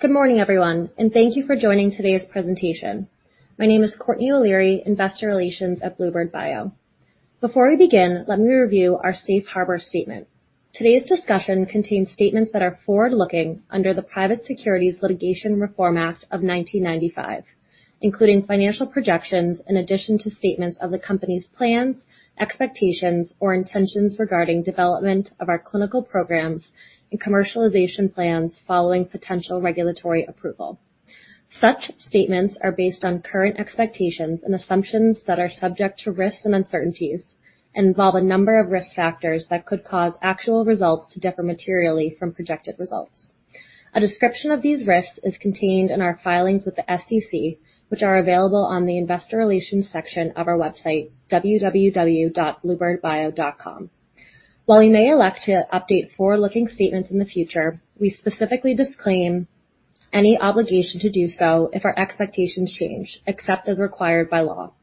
Good morning, everyone, and thank you for joining today's presentation. My name is Courtney O'Leary, Investor Relations at bluebird bio. Before we begin, let me review our safe harbor statement. Today's discussion contains statements that are forward-looking under the Private Securities Litigation Reform Act of 1995, including financial projections in addition to statements of the company's plans, expectations, or intentions regarding development of our clinical programs and commercialization plans following potential regulatory approval. Such statements are based on current expectations and assumptions that are subject to risks and uncertainties and involve a number of risk factors that could cause actual results to differ materially from projected results. A description of these risks is contained in our filings with the SEC, which are available on the Investor Relations section of our website, www.bluebirdbio.com. While we may elect to update forward-looking statements in the future, we specifically disclaim any obligation to do so if our expectations change, except as required by law.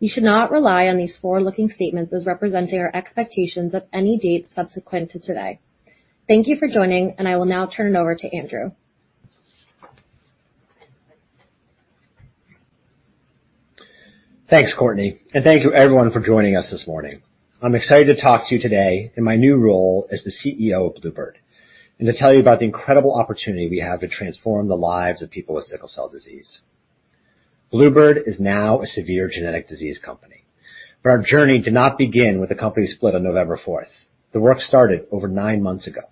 You should not rely on these forward-looking statements as representing our expectations at any date subsequent to today. Thank you for joining, and I will now turn it over to Andrew. Thanks, Courtney, and thank you everyone for joining us this morning. I'm excited to talk to you today in my new role as the CEO of bluebird and to tell you about the incredible opportunity we have to transform the lives of people with sickle cell disease. bluebird is now a severe genetic disease company. Our journey did not begin with the company split on four November. The work started over nine months ago.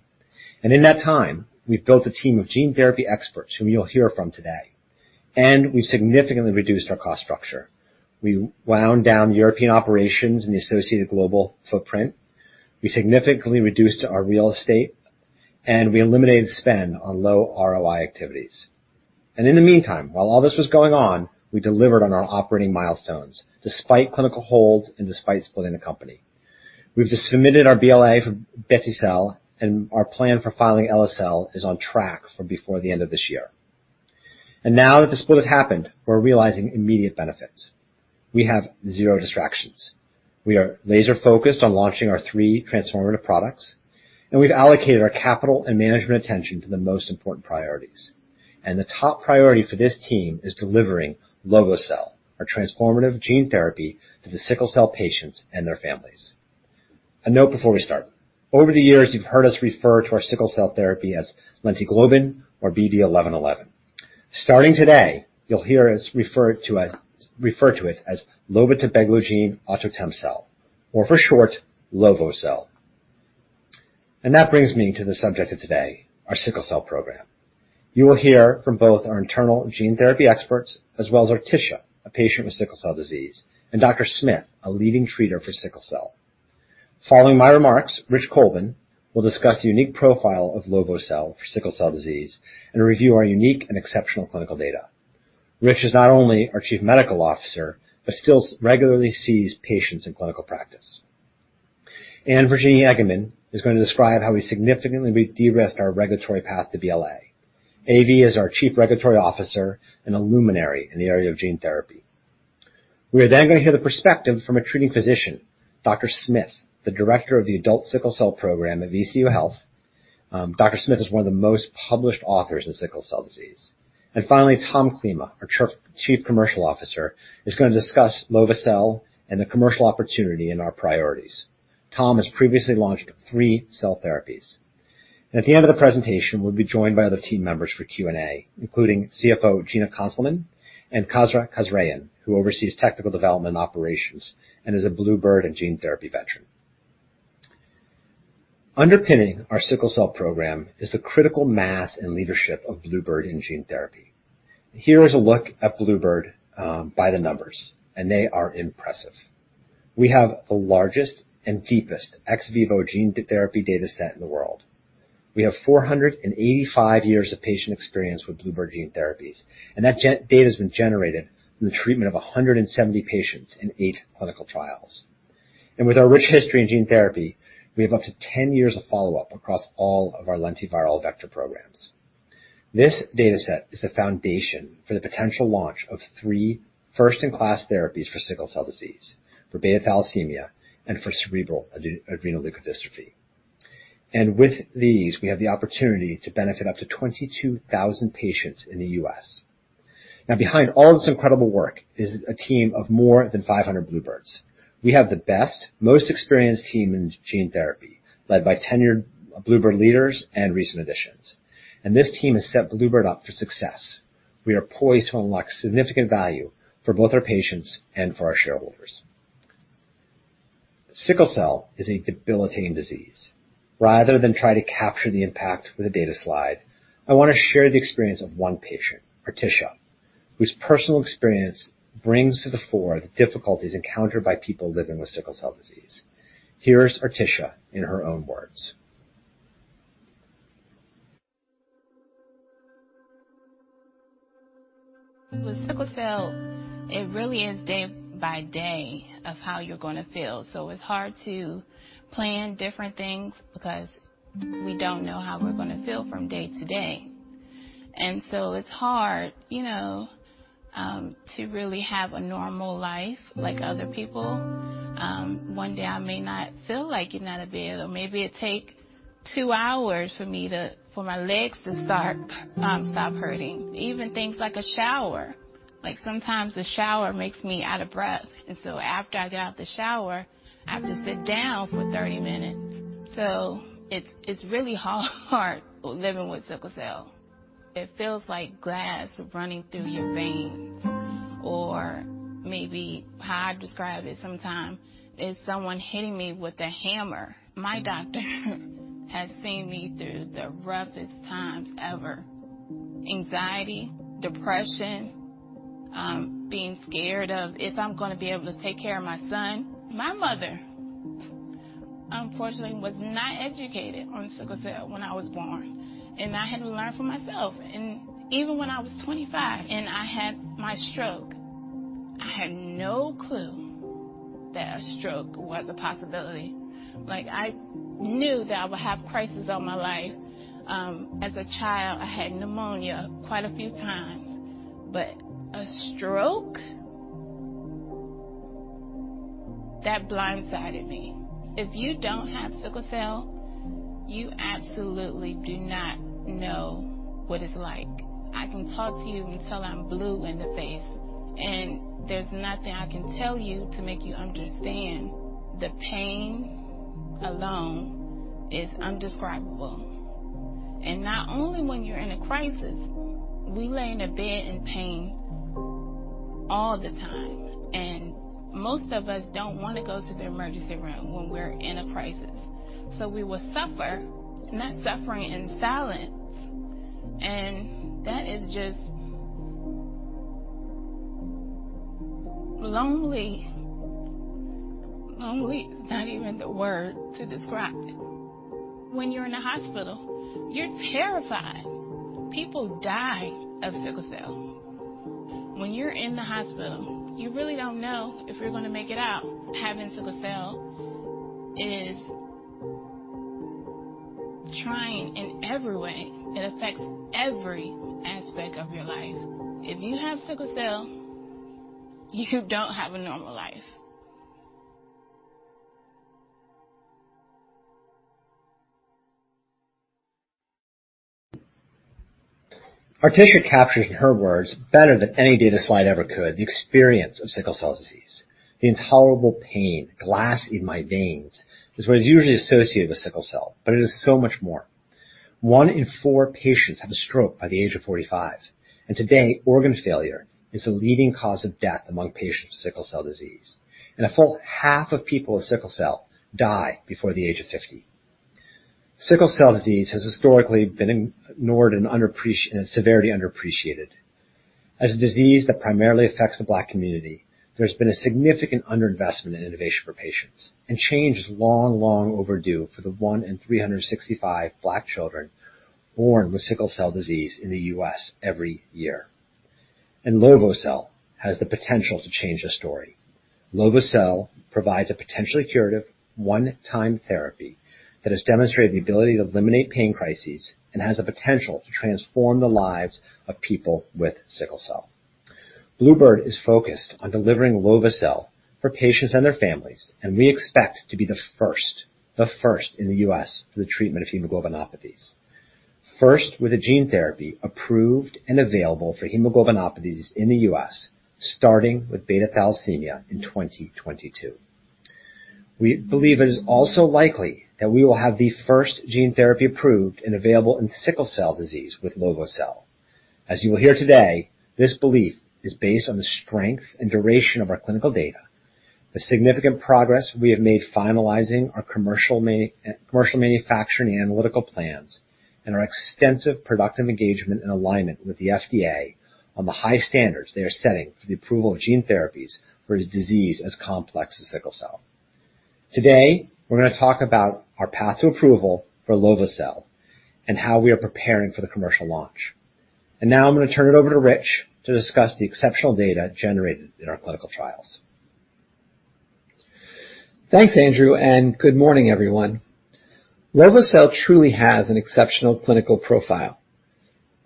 In that time, we've built a team of gene therapy experts whom you'll hear from today, and we've significantly reduced our cost structure. We wound down European operations and the associated global footprint. We significantly reduced our real estate, and we eliminated spend on low ROI activities. In the meantime, while all this was going on, we delivered on our operating milestones despite clinical holds and despite splitting the company. We've just submitted our BLA for beti-cel, and our plan for filing lovo-cel is on track for before the end of this year. Now that the split has happened, we're realizing immediate benefits. We have zero distractions. We are laser-focused on launching our three transformative products, and we've allocated our capital and management attention to the most important priorities. The top priority for this team is delivering lovo-cel, our transformative gene therapy to the sickle cell patients and their families. A note before we start. Over the years, you've heard us refer to our sickle cell therapy as LentiGlobin or BB1111. Starting today, you'll hear us refer to it as lovotibeglogene autotemcel or for short, lovo-cel. That brings me to the subject of today, our sickle cell program. You will hear from both our internal gene therapy experts as well as Artisha, a patient with sickle cell disease, and Dr. Smith, a leading treater for sickle cell. Following my remarks, Rich Colvin will discuss the unique profile of lovo-cel for sickle cell disease and review our unique and exceptional clinical data. Rich is not only our Chief Medical Officer, but still regularly sees patients in clinical practice. Virginie Hageman is gonna describe how we significantly re-derisked our regulatory path to BLA. AV is our Chief Regulatory Officer and a luminary in the area of gene therapy. We are then gonna hear the perspective from a treating physician, Dr. Smith, the Director of the Adult Sickle Cell Program at VCU Health. Dr. Smith is one of the most published authors in sickle cell disease. Finally, Tom Klima, our Chief Commercial Officer, is gonna discuss lovo-cel and the commercial opportunity and our priorities. Tom has previously launched three cell therapies. At the end of the presentation, we'll be joined by other team members for Q&A, including CFO Gina Cunkelman and Kasra Kasraian, who oversees technical development operations and is a bluebird bio and gene therapy veteran. Underpinning our sickle cell program is the critical mass and leadership of bluebird bio in gene therapy. Here is a look at bluebird bio, by the numbers, and they are impressive. We have the largest and deepest ex vivo gene therapy dataset in the world. We have 485 years of patient experience with bluebird bio gene therapies, and that data's been generated from the treatment of 170 patients in eight clinical trials. With our rich history in gene therapy, we have up to 10 years of follow-up across all of our lentiviral vector programs. This dataset is the foundation for the potential launch of three first-in-class therapies for sickle cell disease, for beta thalassemia, and for cerebral adrenoleukodystrophy. With these, we have the opportunity to benefit up to 22,000 patients in the US. Now, behind all this incredible work is a team of more than 500 Bluebirds. We have the best, most experienced team in gene therapy, led by tenured Bluebird leaders and recent additions. This team has set Bluebird up for success. We are poised to unlock significant value for both our patients and for our shareholders. Sickle cell is a debilitating disease. Rather than try to capture the impact with a data slide, I wanna share the experience of one patient, Artisha, whose personal experience brings to the fore the difficulties encountered by people living with sickle cell disease. Here's Artisha in her own words. With sickle cell, it really is day by day of how you're gonna feel. It's hard to plan different things because we don't know how we're gonna feel from day to day. It's hard, you know, to really have a normal life like other people. One day I may not feel like getting out of bed, or maybe it take two hours for my legs to stop hurting. Even things like a shower. Like, sometimes the shower makes me out of breath, and so after I get out the shower, I have to sit down for 30 minutes. It's really hard living with sickle cell. It feels like glass running through your veins. Or maybe how I describe it sometimes is someone hitting me with a hammer. My doctor has seen me through the roughest times ever. Anxiety, depression, being scared of if I'm gonna be able to take care of my son. My mother, unfortunately, was not educated on sickle cell when I was born, and I had to learn for myself. Even when I was 25, and I had my stroke, I had no clue that a stroke was a possibility. Like, I knew that I would have crisis all my life. As a child, I had pneumonia quite a few times, but a stroke, that blindsided me. If you don't have sickle cell, you absolutely do not know what it's like. I can talk to you until I'm blue in the face, and there's nothing I can tell you to make you understand. The pain alone is indescribable. Not only when you're in a crisis, we lay in a bed in pain all the time, and most of us don't wanna go to the emergency room when we're in a crisis. We will suffer, and that's suffering in silence. That is just lonely. Lonely is not even the word to describe it. When you're in the hospital, you're terrified. People die of sickle cell. When you're in the hospital, you really don't know if you're gonna make it out. Having sickle cell is trying in every way. It affects every aspect of your life. If you have sickle cell, you don't have a normal life. Artisha captures in her words better than any data slide ever could the experience of sickle cell disease. The intolerable pain, "Glass in my veins," is what is usually associated with sickle cell, but it is so much more. One in four patients have a stroke by the age of 45, and today, organ failure is the leading cause of death among patients with sickle cell disease. A full half of people with sickle cell die before the age of 50. Sickle cell disease has historically been ignored and severely underappreciated. As a disease that primarily affects the Black community, there's been a significant underinvestment in innovation for patients, and change is long, long overdue for the one in 365 Black children born with sickle cell disease in the U.S. every year. lovo-cel has the potential to change the story. lovo-cel provides a potentially curative one-time therapy that has demonstrated the ability to eliminate pain crises and has the potential to transform the lives of people with sickle cell. bluebird is focused on delivering lovo-cel for patients and their families, and we expect to be the first in the US for the treatment of hemoglobinopathies. First with a gene therapy approved and available for hemoglobinopathies in the US, starting with beta thalassemia in 2022. We believe it is also likely that we will have the first gene therapy approved and available in sickle cell disease with lovo-cel. As you will hear today, this belief is based on the strength and duration of our clinical data, the significant progress we have made finalizing our commercial manufacturing and analytical plans, and our extensive productive engagement and alignment with the FDA on the high standards they are setting for the approval of gene therapies for a disease as complex as sickle cell. Today, we're gonna talk about our path to approval for lovo-cel and how we are preparing for the commercial launch. Now I'm gonna turn it over to Rich to discuss the exceptional data generated in our clinical trials. Thanks, Andrew, and good morning, everyone. Lovo-cel truly has an exceptional clinical profile.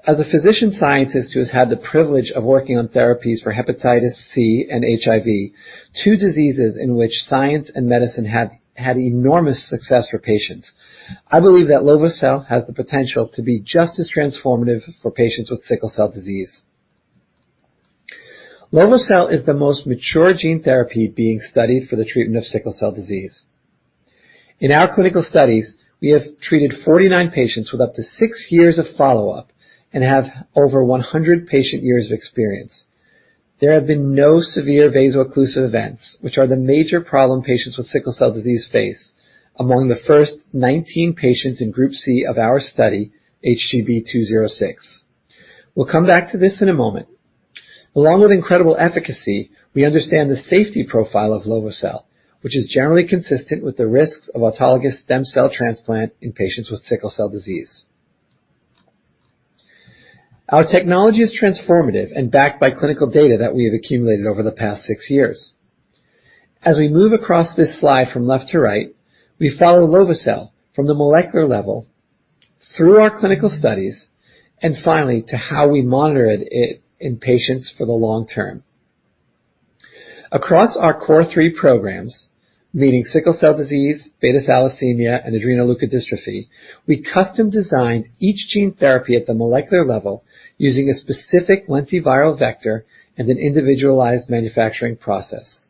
As a physician scientist who has had the privilege of working on therapies for hepatitis C and HIV, two diseases in which science and medicine have had enormous success for patients, I believe that lovo-cel has the potential to be just as transformative for patients with sickle cell disease. Lovo-cel is the most mature gene therapy being studied for the treatment of sickle cell disease. In our clinical studies, we have treated 49 patients with up to six years of follow-up and have over 100 patient years of experience. There have been no severe vaso-occlusive events, which are the major problem patients with sickle cell disease face among the first 19 patients in group C of our study, HGB-206. We'll come back to this in a moment. Along with incredible efficacy, we understand the safety profile of lovo-cel, which is generally consistent with the risks of autologous stem cell transplant in patients with sickle cell disease. Our technology is transformative and backed by clinical data that we have accumulated over the past six years. As we move across this slide from left to right, we follow lovo-cel from the molecular level through our clinical studies and finally to how we monitor it in patients for the long term. Across our core three programs, meaning sickle cell disease, beta thalassemia, and adrenoleukodystrophy, we custom designed each gene therapy at the molecular level using a specific lentiviral vector and an individualized manufacturing process.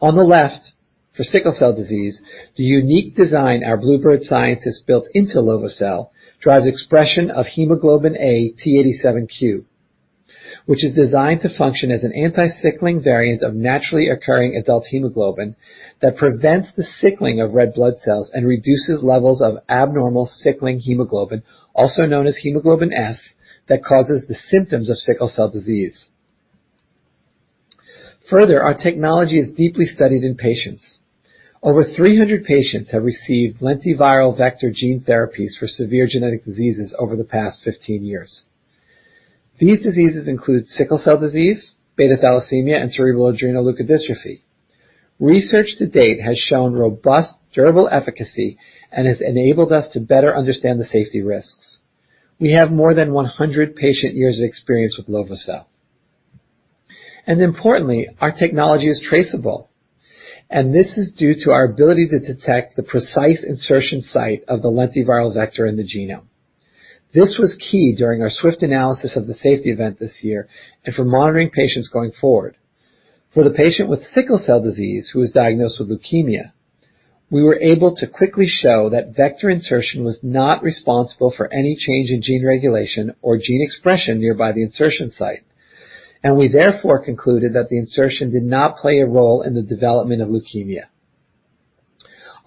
On the left, for sickle cell disease, the unique design our bluebird scientists built into lovo-cel drives expression of hemoglobin A-T87Q, which is designed to function as an anti-sickling variant of naturally occurring adult hemoglobin that prevents the sickling of red blood cells and reduces levels of abnormal sickling hemoglobin, also known as hemoglobin S, that causes the symptoms of sickle cell disease. Further, our technology is deeply studied in patients. Over 300 patients have received lentiviral vector gene therapies for severe genetic diseases over the past 15 years. These diseases include sickle cell disease, beta thalassemia, and cerebral adrenoleukodystrophy. Research to date has shown robust, durable efficacy and has enabled us to better understand the safety risks. We have more than 100 patient years of experience with lovo-cel. Importantly, our technology is traceable, and this is due to our ability to detect the precise insertion site of the lentiviral vector in the genome. This was key during our swift analysis of the safety event this year and for monitoring patients going forward. For the patient with sickle cell disease who was diagnosed with leukemia, we were able to quickly show that vector insertion was not responsible for any change in gene regulation or gene expression nearby the insertion site. We therefore concluded that the insertion did not play a role in the development of leukemia.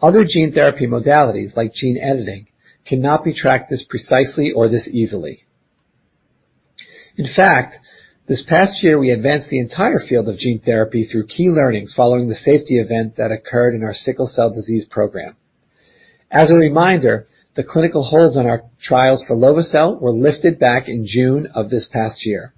Other gene therapy modalities, like gene editing, cannot be tracked this precisely or this easily. In fact, this past year we advanced the entire field of gene therapy through key learnings following the safety event that occurred in our sickle cell disease program. As a reminder, the clinical holds on our trials for lovo-cel were lifted back in June of this past year.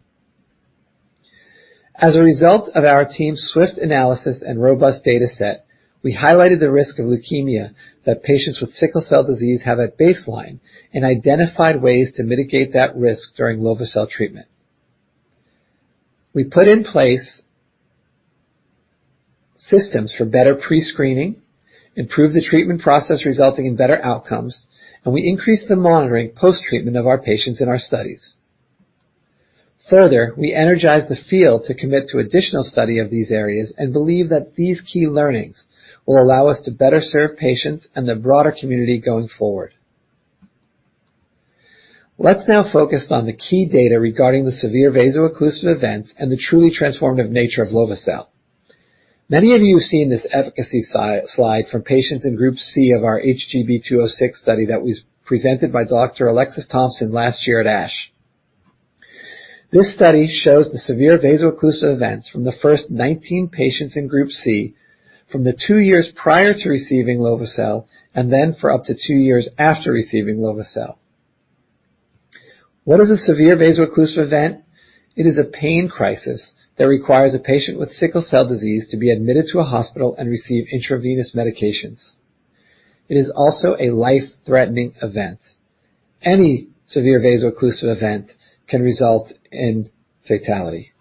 As a result of our team's swift analysis and robust data set, we highlighted the risk of leukemia that patients with sickle cell disease have at baseline and identified ways to mitigate that risk during lovo-cel treatment. We put in place systems for better pre-screening, improved the treatment process resulting in better outcomes, and we increased the monitoring post-treatment of our patients in our studies. Further, we energized the field to commit to additional study of these areas and believe that these key learnings will allow us to better serve patients and the broader community going forward. Let's now focus on the key data regarding the severe vaso-occlusive events and the truly transformative nature of lovo-cel. Many of you have seen this efficacy slide from patients in group C of our HGB-206 study that was presented by Dr. Alexis Thompson last year at ASH. This study shows the severe vaso-occlusive events from the first 19 patients in group C from the two years prior to receiving lovo-cel and then for up to two years after receiving lovo-cel. What is a severe vaso-occlusive event? It is a pain crisis that requires a patient with sickle cell disease to be admitted to a hospital and receive intravenous medications. It is also a life-threatening event. Any severe vaso-occlusive event can result in fatality.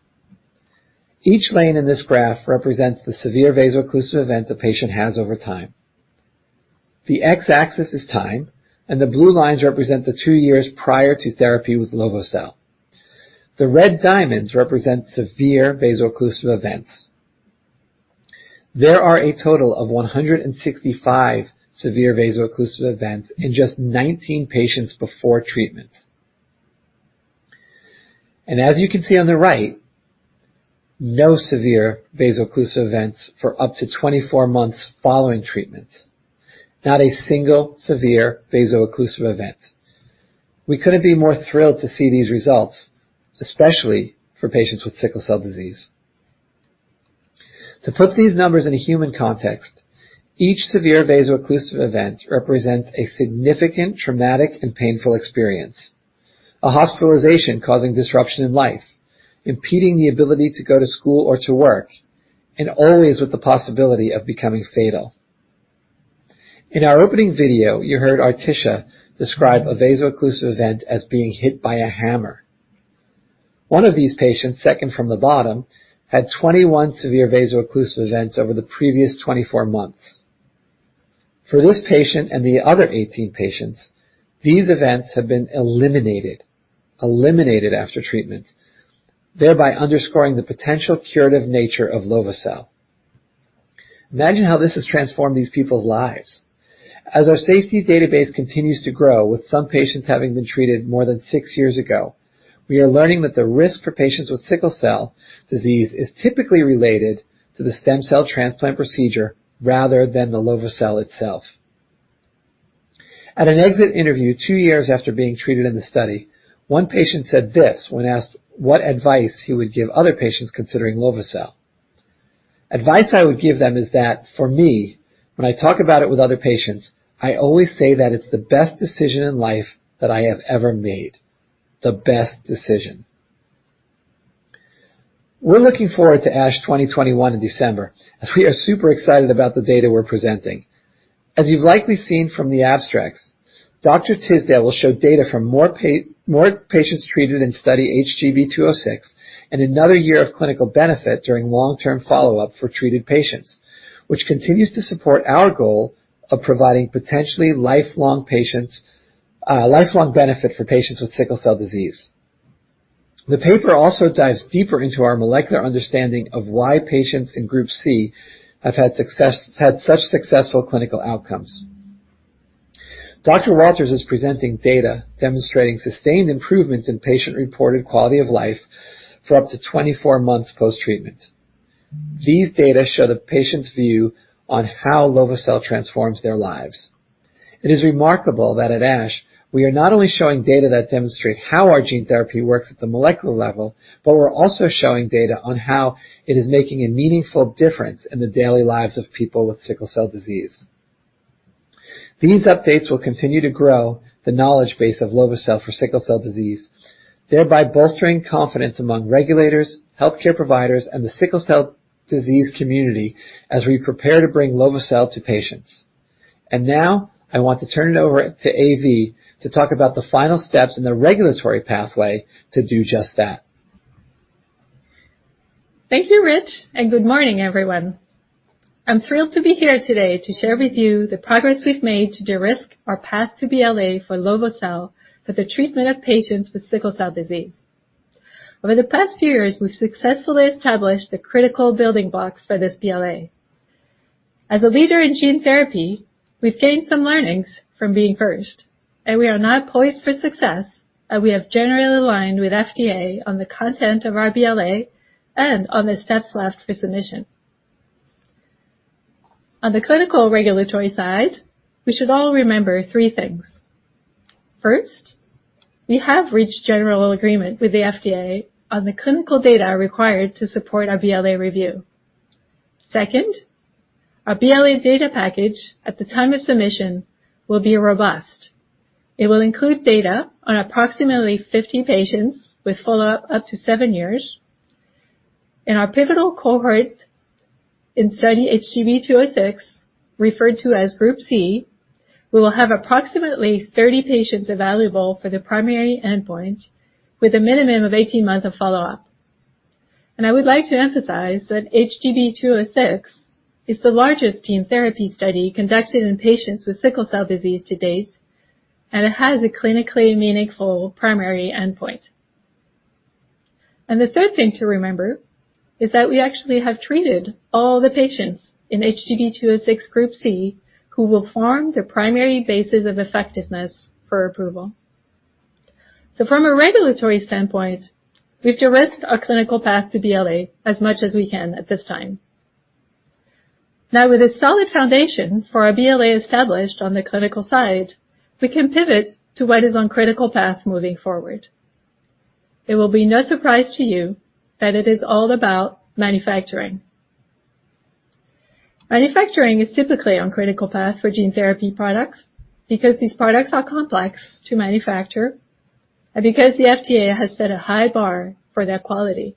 Each lane in this graph represents the severe vaso-occlusive event the patient has over time. The X-axis is time, and the blue lines represent the two years prior to therapy with lovo-cel. The red diamonds represent severe vaso-occlusive events. There are a total of 165 severe vaso-occlusive events in just 19 patients before treatment. As you can see on the right, no severe vaso-occlusive events for up to 24 months following treatment. Not a single severe vaso-occlusive event. We couldn't be more thrilled to see these results, especially for patients with sickle cell disease. To put these numbers in a human context, each severe vaso-occlusive event represents a significant traumatic and painful experience, a hospitalization causing disruption in life, impeding the ability to go to school or to work, and always with the possibility of becoming fatal. In our opening video, you heard Artishia describe a vaso-occlusive event as being hit by a hammer. One of these patients, second from the bottom, had 21 severe vaso-occlusive events over the previous 24 months. For this patient and the other 18 patients, these events have been eliminated. Eliminated after treatment, thereby underscoring the potential curative nature of lovo-cel. Imagine how this has transformed these people's lives. As our safety database continues to grow with some patients having been treated more than 6 years ago, we are learning that the risk for patients with sickle cell disease is typically related to the stem cell transplant procedure rather than the lovo-cel itself. At an exit interview 2 years after being treated in the study, one patient said this when asked what advice he would give other patients considering lovo-cel. Advice I would give them is that for me, when I talk about it with other patients, I always say that it's the best decision in life that I have ever made. The best decision." We're looking forward to ASH 2021 in December, as we are super excited about the data we're presenting. As you've likely seen from the abstracts, Dr. Tisdale will show data from more patients treated in study HGB-206, and another year of clinical benefit during long-term follow-up for treated patients, which continues to support our goal of providing potentially lifelong patients, lifelong benefit for patients with sickle cell disease. The paper also dives deeper into our molecular understanding of why patients in group C have had such successful clinical outcomes. Dr. Walters is presenting data demonstrating sustained improvements in patient-reported quality of life for up to 24 months post-treatment. These data show the patient's view on how lovo-cel transforms their lives. It is remarkable that at ASH we are not only showing data that demonstrate how our gene therapy works at the molecular level, but we're also showing data on how it is making a meaningful difference in the daily lives of people with sickle cell disease. These updates will continue to grow the knowledge base of lovo-cel for sickle cell disease, thereby bolstering confidence among regulators, healthcare providers, and the sickle cell disease community as we prepare to bring lovo-cel to patients. Now I want to turn it over to AV to talk about the final steps in the regulatory pathway to do just that. Thank you, Rich, and good morning, everyone. I'm thrilled to be here today to share with you the progress we've made to de-risk our path to BLA for lovo-cel for the treatment of patients with sickle cell disease. Over the past few years, we've successfully established the critical building blocks for this BLA. As a leader in gene therapy, we've gained some learnings from being first, and we are now poised for success as we have generally aligned with FDA on the content of our BLA and on the steps left for submission. On the clinical regulatory side, we should all remember three things. First, we have reached general agreement with the FDA on the clinical data required to support our BLA review. Second, our BLA data package at the time of submission will be robust. It will include data on approximately 50 patients with follow-up up to seven years. In our pivotal cohort in study HGB-206, referred to as group C, we will have approximately 30 patients available for the primary endpoint with a minimum of 18 months of follow-up. I would like to emphasize that HGB-206 is the largest gene therapy study conducted in patients with sickle cell disease to date, and it has a clinically meaningful primary endpoint. The third thing to remember is that we actually have treated all the patients in HGB-206 group C who will form the primary basis of effectiveness for approval. From a regulatory standpoint, we've de-risked our clinical path to BLA as much as we can at this time. Now with a solid foundation for our BLA established on the clinical side, we can pivot to what is on critical path moving forward. It will be no surprise to you that it is all about manufacturing. Manufacturing is typically on critical path for gene therapy products because these products are complex to manufacture and because the FDA has set a high bar for their quality.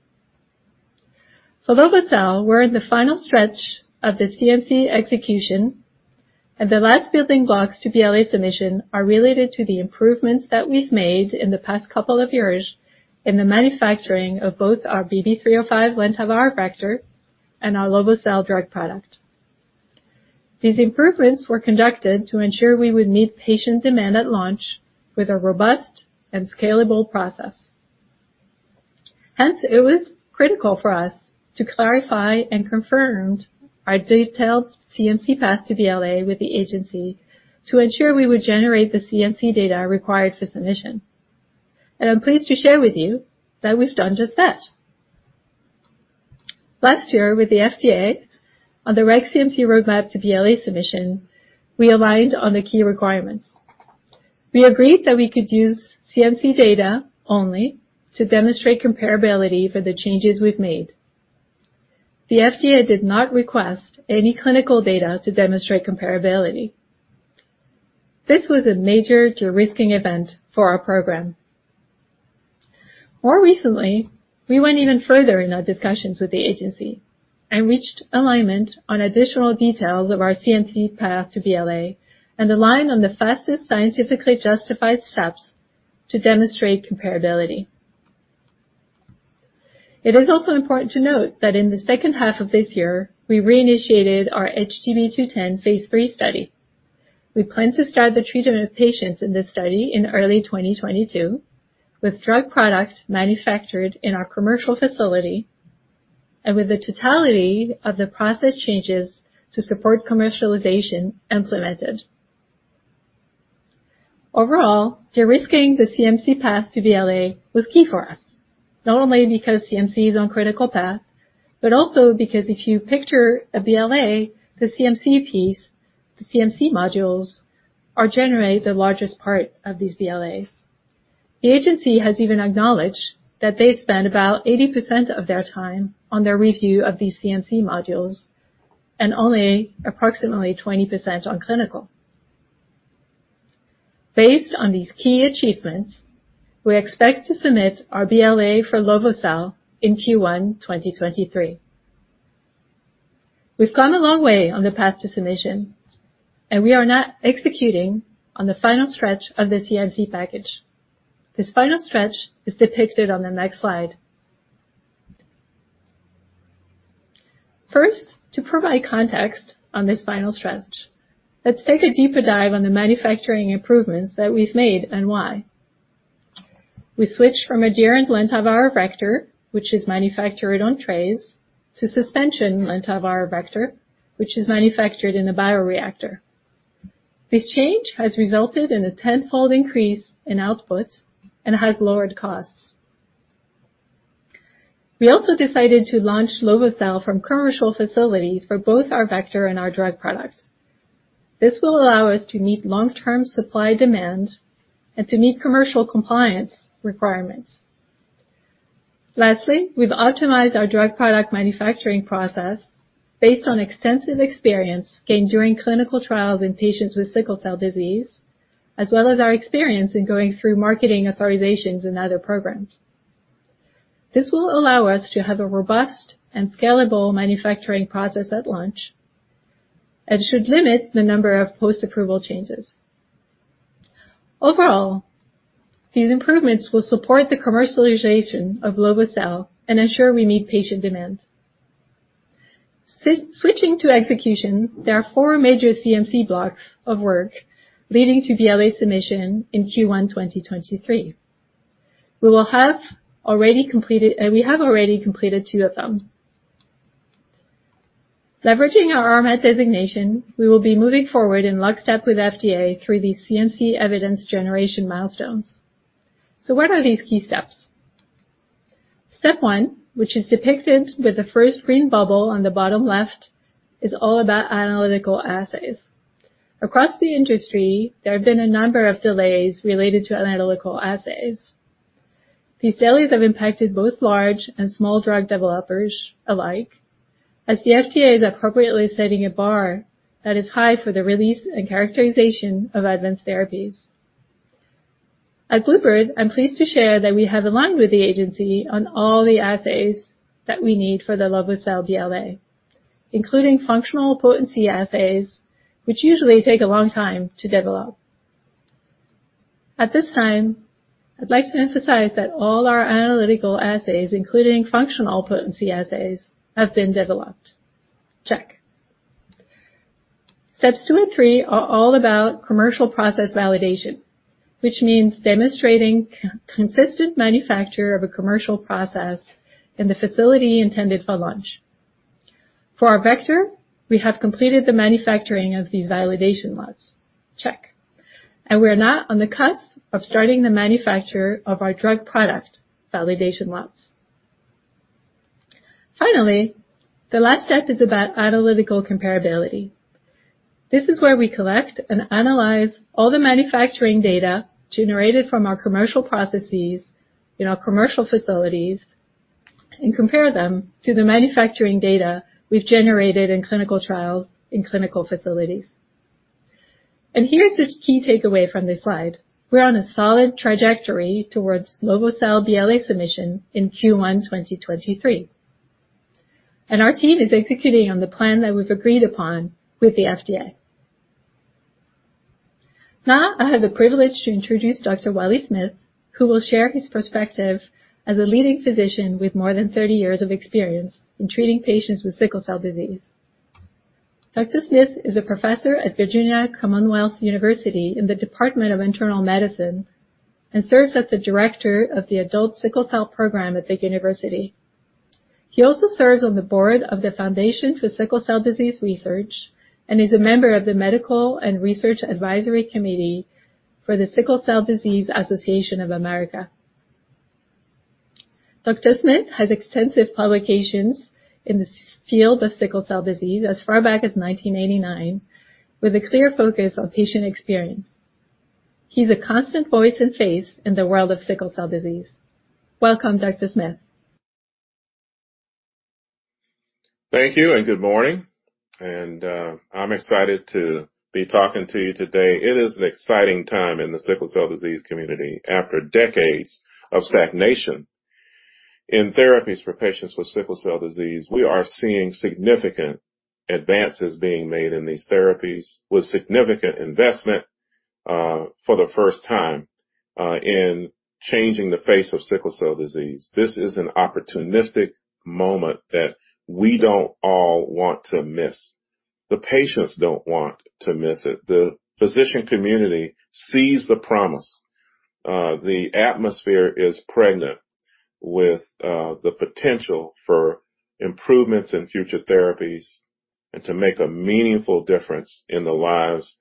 For lovo-cel, we're in the final stretch of the CMC execution, and the last building blocks to BLA submission are related to the improvements that we've made in the past couple of years in the manufacturing of both our BB305 lentiviral vector and our lovo-cel drug product. These improvements were conducted to ensure we would meet patient demand at launch with a robust and scalable process. Hence, it was critical for us to clarify and confirm our detailed CMC path to BLA with the agency to ensure we would generate the CMC data required for submission. I'm pleased to share with you that we've done just that. Last year with the FDA on the reg CMC roadmap to BLA submission, we aligned on the key requirements. We agreed that we could use CMC data only to demonstrate comparability for the changes we've made. The FDA did not request any clinical data to demonstrate comparability. This was a major de-risking event for our program. More recently, we went even further in our discussions with the agency and reached alignment on additional details of our CMC path to BLA and aligned on the fastest scientifically justified steps to demonstrate comparability. It is also important to note that in the second half of this year, we reinitiated our HGB-210 phase III study. We plan to start the treatment of patients in this study in early 2022 with drug product manufactured in our commercial facility and with the totality of the process changes to support commercialization implemented. Overall, de-risking the CMC path to BLA was key for us, not only because CMC is on critical path, but also because if you picture a BLA, the CMC piece, the CMC modules are generally the largest part of these BLAs. The agency has even acknowledged that they spend about 80% of their time on their review of these CMC modules and only approximately 20% on clinical. Based on these key achievements, we expect to submit our BLA for lovo-cel in Q1 2023. We've come a long way on the path to submission, and we are now executing on the final stretch of the CMC package. This final stretch is depicted on the next slide. First, to provide context on this final stretch, let's take a deeper dive on the manufacturing improvements that we've made and why. We switched from adherent lentiviral vector, which is manufactured on trays, to suspension lentiviral vector, which is manufactured in a bioreactor. This change has resulted in a tenfold increase in output and has lowered costs. We also decided to launch lovo-cel from commercial facilities for both our vector and our drug product. This will allow us to meet long-term supply demand and to meet commercial compliance requirements. Lastly, we've optimized our drug product manufacturing process based on extensive experience gained during clinical trials in patients with sickle cell disease, as well as our experience in going through marketing authorizations in other programs. This will allow us to have a robust and scalable manufacturing process at launch and should limit the number of post-approval changes. Overall, these improvements will support the commercialization of lovo-cel and ensure we meet patient demands. Switching to execution, there are four major CMC blocks of work leading to BLA submission in Q1 2023. We will have already completed two of them. Leveraging our RMAT designation, we will be moving forward in lockstep with FDA through these CMC evidence generation milestones. What are these key steps? Step one, which is depicted with the first green bubble on the bottom left, is all about analytical assays. Across the industry, there have been a number of delays related to analytical assays. These delays have impacted both large and small drug developers alike as the FDA is appropriately setting a bar that is high for the release and characterization of advanced therapies. At bluebird bio, I'm pleased to share that we have aligned with the agency on all the assays that we need for the lovo-cel BLA, including functional potency assays, which usually take a long time to develop. At this time, I'd like to emphasize that all our analytical assays, including functional potency assays, have been developed. Check. Steps 2 and 3 are all about commercial process validation, which means demonstrating consistent manufacture of a commercial process in the facility intended for launch. For our vector, we have completed the manufacturing of these validation lots. Check. We are now on the cusp of starting the manufacture of our drug product validation lots. Finally, the last step is about analytical comparability. This is where we collect and analyze all the manufacturing data generated from our commercial processes in our commercial facilities and compare them to the manufacturing data we've generated in clinical trials in clinical facilities. Here's the key takeaway from this slide: We're on a solid trajectory towards lovo-cel BLA submission in Q1 2023. Our team is executing on the plan that we've agreed upon with the FDA. Now, I have the privilege to introduce Dr. Wally Smith, who will share his perspective as a leading physician with more than thirty years of experience in treating patients with sickle cell disease. Dr. Smith is a professor at Virginia Commonwealth University in the Department of Internal Medicine and serves as the director of the Adult Sickle Cell Program at the university. He also serves on the board of the Foundation for Sickle Cell Disease Research and is a member of the Medical and Research Advisory Committee for the Sickle Cell Disease Association of America. Dr. Smith has extensive publications in the field of sickle cell disease as far back as 1989, with a clear focus on patient experience. He's a constant voice and face in the world of sickle cell disease. Welcome, Dr. Smith. Thank you and good morning. I'm excited to be talking to you today. It is an exciting time in the sickle cell disease community after decades of stagnation. In therapies for patients with sickle cell disease, we are seeing significant advances being made in these therapies with significant investment for the first time in changing the face of sickle cell disease. This is an opportunistic moment that we don't all want to miss. The patients don't want to miss it. The physician community sees the promise. The atmosphere is pregnant with the potential for improvements in future therapies and to make a meaningful difference in the lives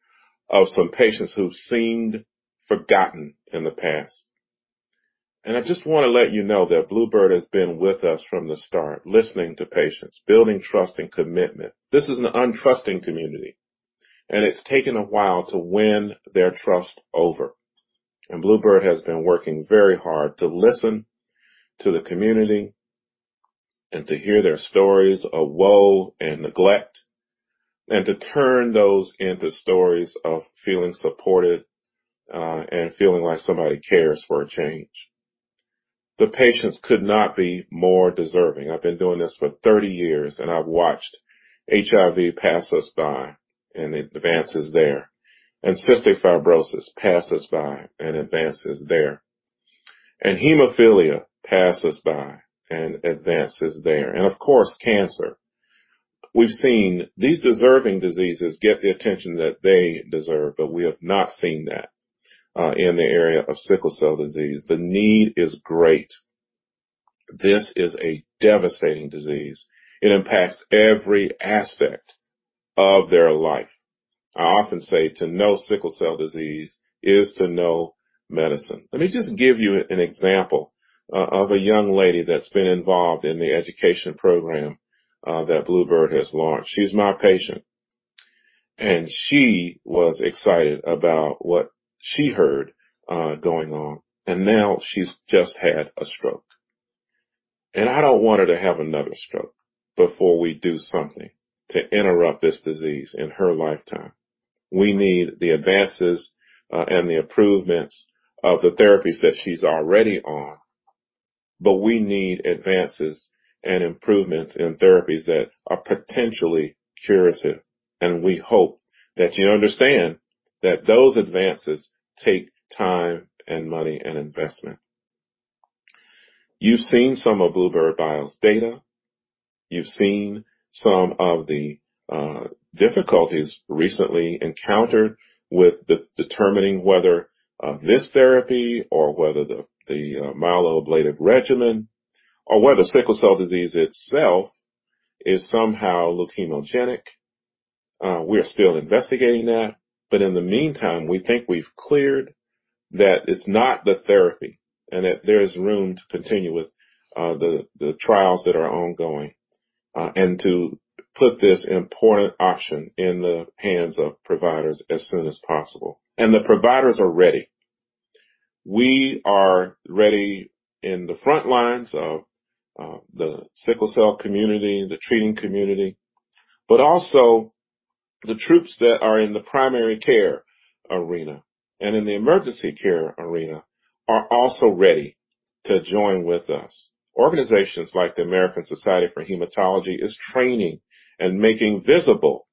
of some patients who've seemed forgotten in the past. I just wanna let you know that Bluebird has been with us from the start, listening to patients, building trust and commitment. This is an untrusting community, and it's taken a while to win their trust over. bluebird bio has been working very hard to listen to the community, to hear their stories of woe and neglect, and to turn those into stories of feeling supported, and feeling like somebody cares for a change. The patients could not be more deserving. I've been doing this for 30 years, and I've watched HIV pass us by, and advances there, cystic fibrosis pass us by, and advances there, hemophilia pass us by, and advances there, and of course, cancer. We've seen these deserving diseases get the attention that they deserve, but we have not seen that in the area of sickle cell disease. The need is great. This is a devastating disease. It impacts every aspect of their life. I often say to know sickle cell disease is to know medicine. Let me just give you an example of a young lady that's been involved in the education program that bluebird bio has launched. She's my patient, and she was excited about what she heard going on, and now she's just had a stroke. I don't want her to have another stroke before we do something to interrupt this disease in her lifetime. We need the advances and the improvements of the therapies that she's already on, but we need advances and improvements in therapies that are potentially curative. We hope that you understand that those advances take time and money and investment. You've seen some of bluebird bio's data. You've seen some of the difficulties recently encountered with determining whether this therapy or whether the myeloablative regimen or whether sickle cell disease itself is somehow leukemogenic. We're still investigating that, but in the meantime, we think we've cleared that it's not the therapy and that there is room to continue with the trials that are ongoing and to put this important option in the hands of providers as soon as possible. The providers are ready. We are ready in the front lines of the sickle cell community, the treating community, but also the troops that are in the primary care arena and in the emergency care arena are also ready to join with us. Organizations like the American Society of Hematology is training and making visible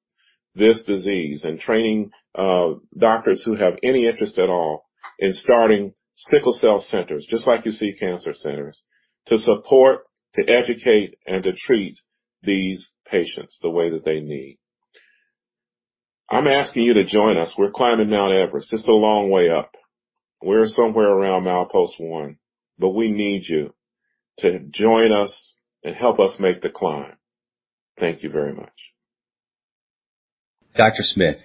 this disease and training, doctors who have any interest at all in starting sickle cell centers, just like you see cancer centers, to support, to educate, and to treat these patients the way that they need. I'm asking you to join us. We're climbing Mount Everest. It's a long way up. We're somewhere around milepost one, but we need you to join us and help us make the climb. Thank you very much. Dr. Smith,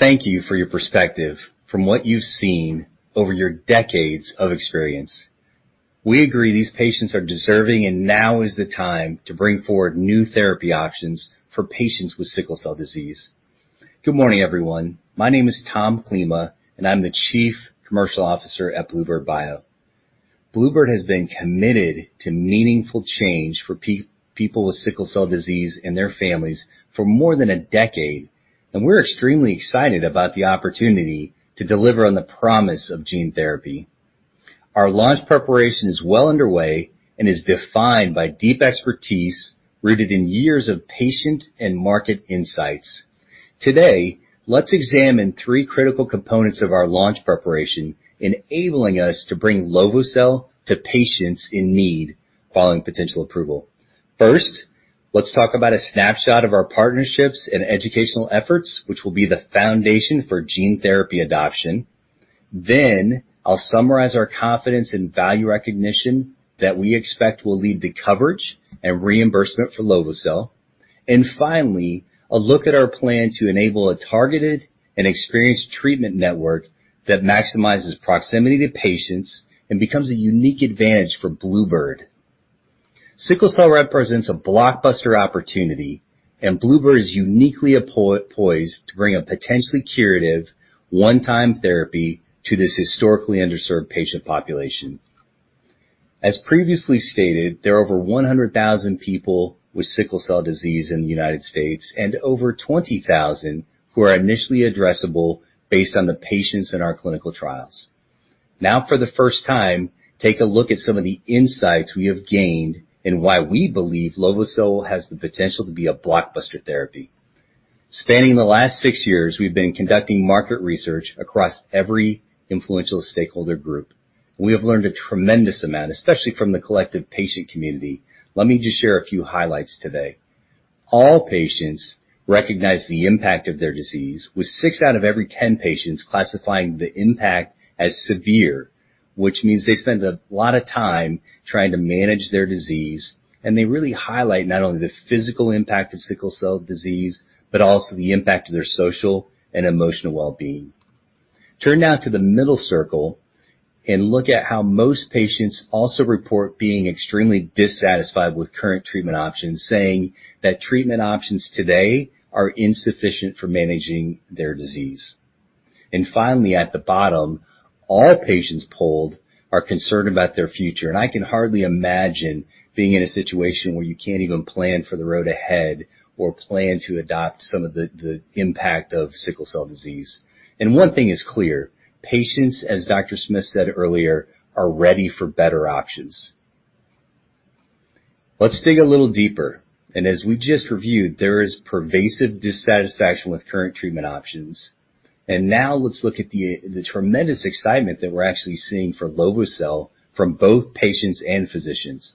thank you for your perspective from what you've seen over your decades of experience. We agree these patients are deserving, and now is the time to bring forward new therapy options for patients with sickle cell disease. Good morning, everyone. My name is Tom Klima, and I'm the Chief Commercial Officer at bluebird bio. bluebird bio has been committed to meaningful change for people with sickle cell disease and their families for more than a decade, and we're extremely excited about the opportunity to deliver on the promise of gene therapy. Our launch preparation is well underway and is defined by deep expertise rooted in years of patient and market insights. Today, let's examine three critical components of our launch preparation, enabling us to bring lovo-cel to patients in need following potential approval. First, let's talk about a snapshot of our partnerships and educational efforts, which will be the foundation for gene therapy adoption. I'll summarize our confidence in value recognition that we expect will lead to coverage and reimbursement for lovo-cel. Finally, a look at our plan to enable a targeted and experienced treatment network that maximizes proximity to patients and becomes a unique advantage for bluebird. Sickle cell represents a blockbuster opportunity, and bluebird is uniquely well-poised to bring a potentially curative one-time therapy to this historically underserved patient population. As previously stated, there are over 100,000 people with sickle cell disease in the United States and over 20,000 who are initially addressable based on the patients in our clinical trials. Now, for the first time, take a look at some of the insights we have gained and why we believe lovo-cel has the potential to be a blockbuster therapy. Spanning the last six years, we've been conducting market research across every influential stakeholder group. We have learned a tremendous amount, especially from the collective patient community. Let me just share a few highlights today. All patients recognize the impact of their disease, with 6 out of every 10 patients classifying the impact as severe, which means they spend a lot of time trying to manage their disease. They really highlight not only the physical impact of sickle cell disease, but also the impact of their social and emotional well-being. Turn now to the middle circle and look at how most patients also report being extremely dissatisfied with current treatment options, saying that treatment options today are insufficient for managing their disease. Finally, at the bottom, all patients polled are concerned about their future, and I can hardly imagine being in a situation where you can't even plan for the road ahead or plan to adopt some of the impact of sickle cell disease. One thing is clear, patients, as Dr. Smith said earlier, are ready for better options. Let's dig a little deeper, and as we just reviewed, there is pervasive dissatisfaction with current treatment options. Now let's look at the tremendous excitement that we're actually seeing for lovo-cel from both patients and physicians.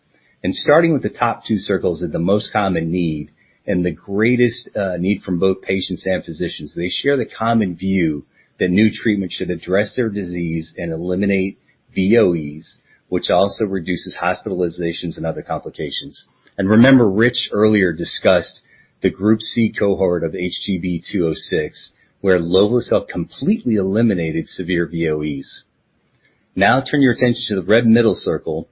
Starting with the top two circles are the most common need and the greatest need from both patients and physicians. They share the common view that new treatment should address their disease and eliminate VOEs, which also reduces hospitalizations and other complications. Remember, Rich earlier discussed the group C cohort of HGB-206, where lovo-cel completely eliminated severe VOEs. Now turn your attention to the red middle circle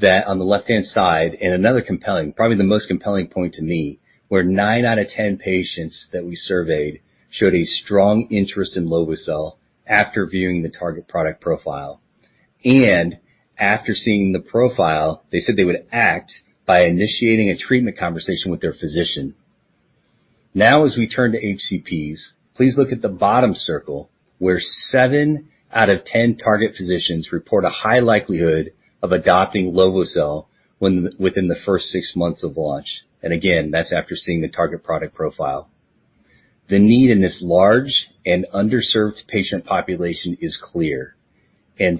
that on the left-hand side, and another compelling, probably the most compelling point to me, where nine out of ten patients that we surveyed showed a strong interest in lovo-cel after viewing the target product profile. After seeing the profile, they said they would act by initiating a treatment conversation with their physician. Now, as we turn to HCPs, please look at the bottom circle, where seven out of ten target physicians report a high likelihood of adopting lovo-cel within the first six months of launch. Again, that's after seeing the target product profile. The need in this large and underserved patient population is clear.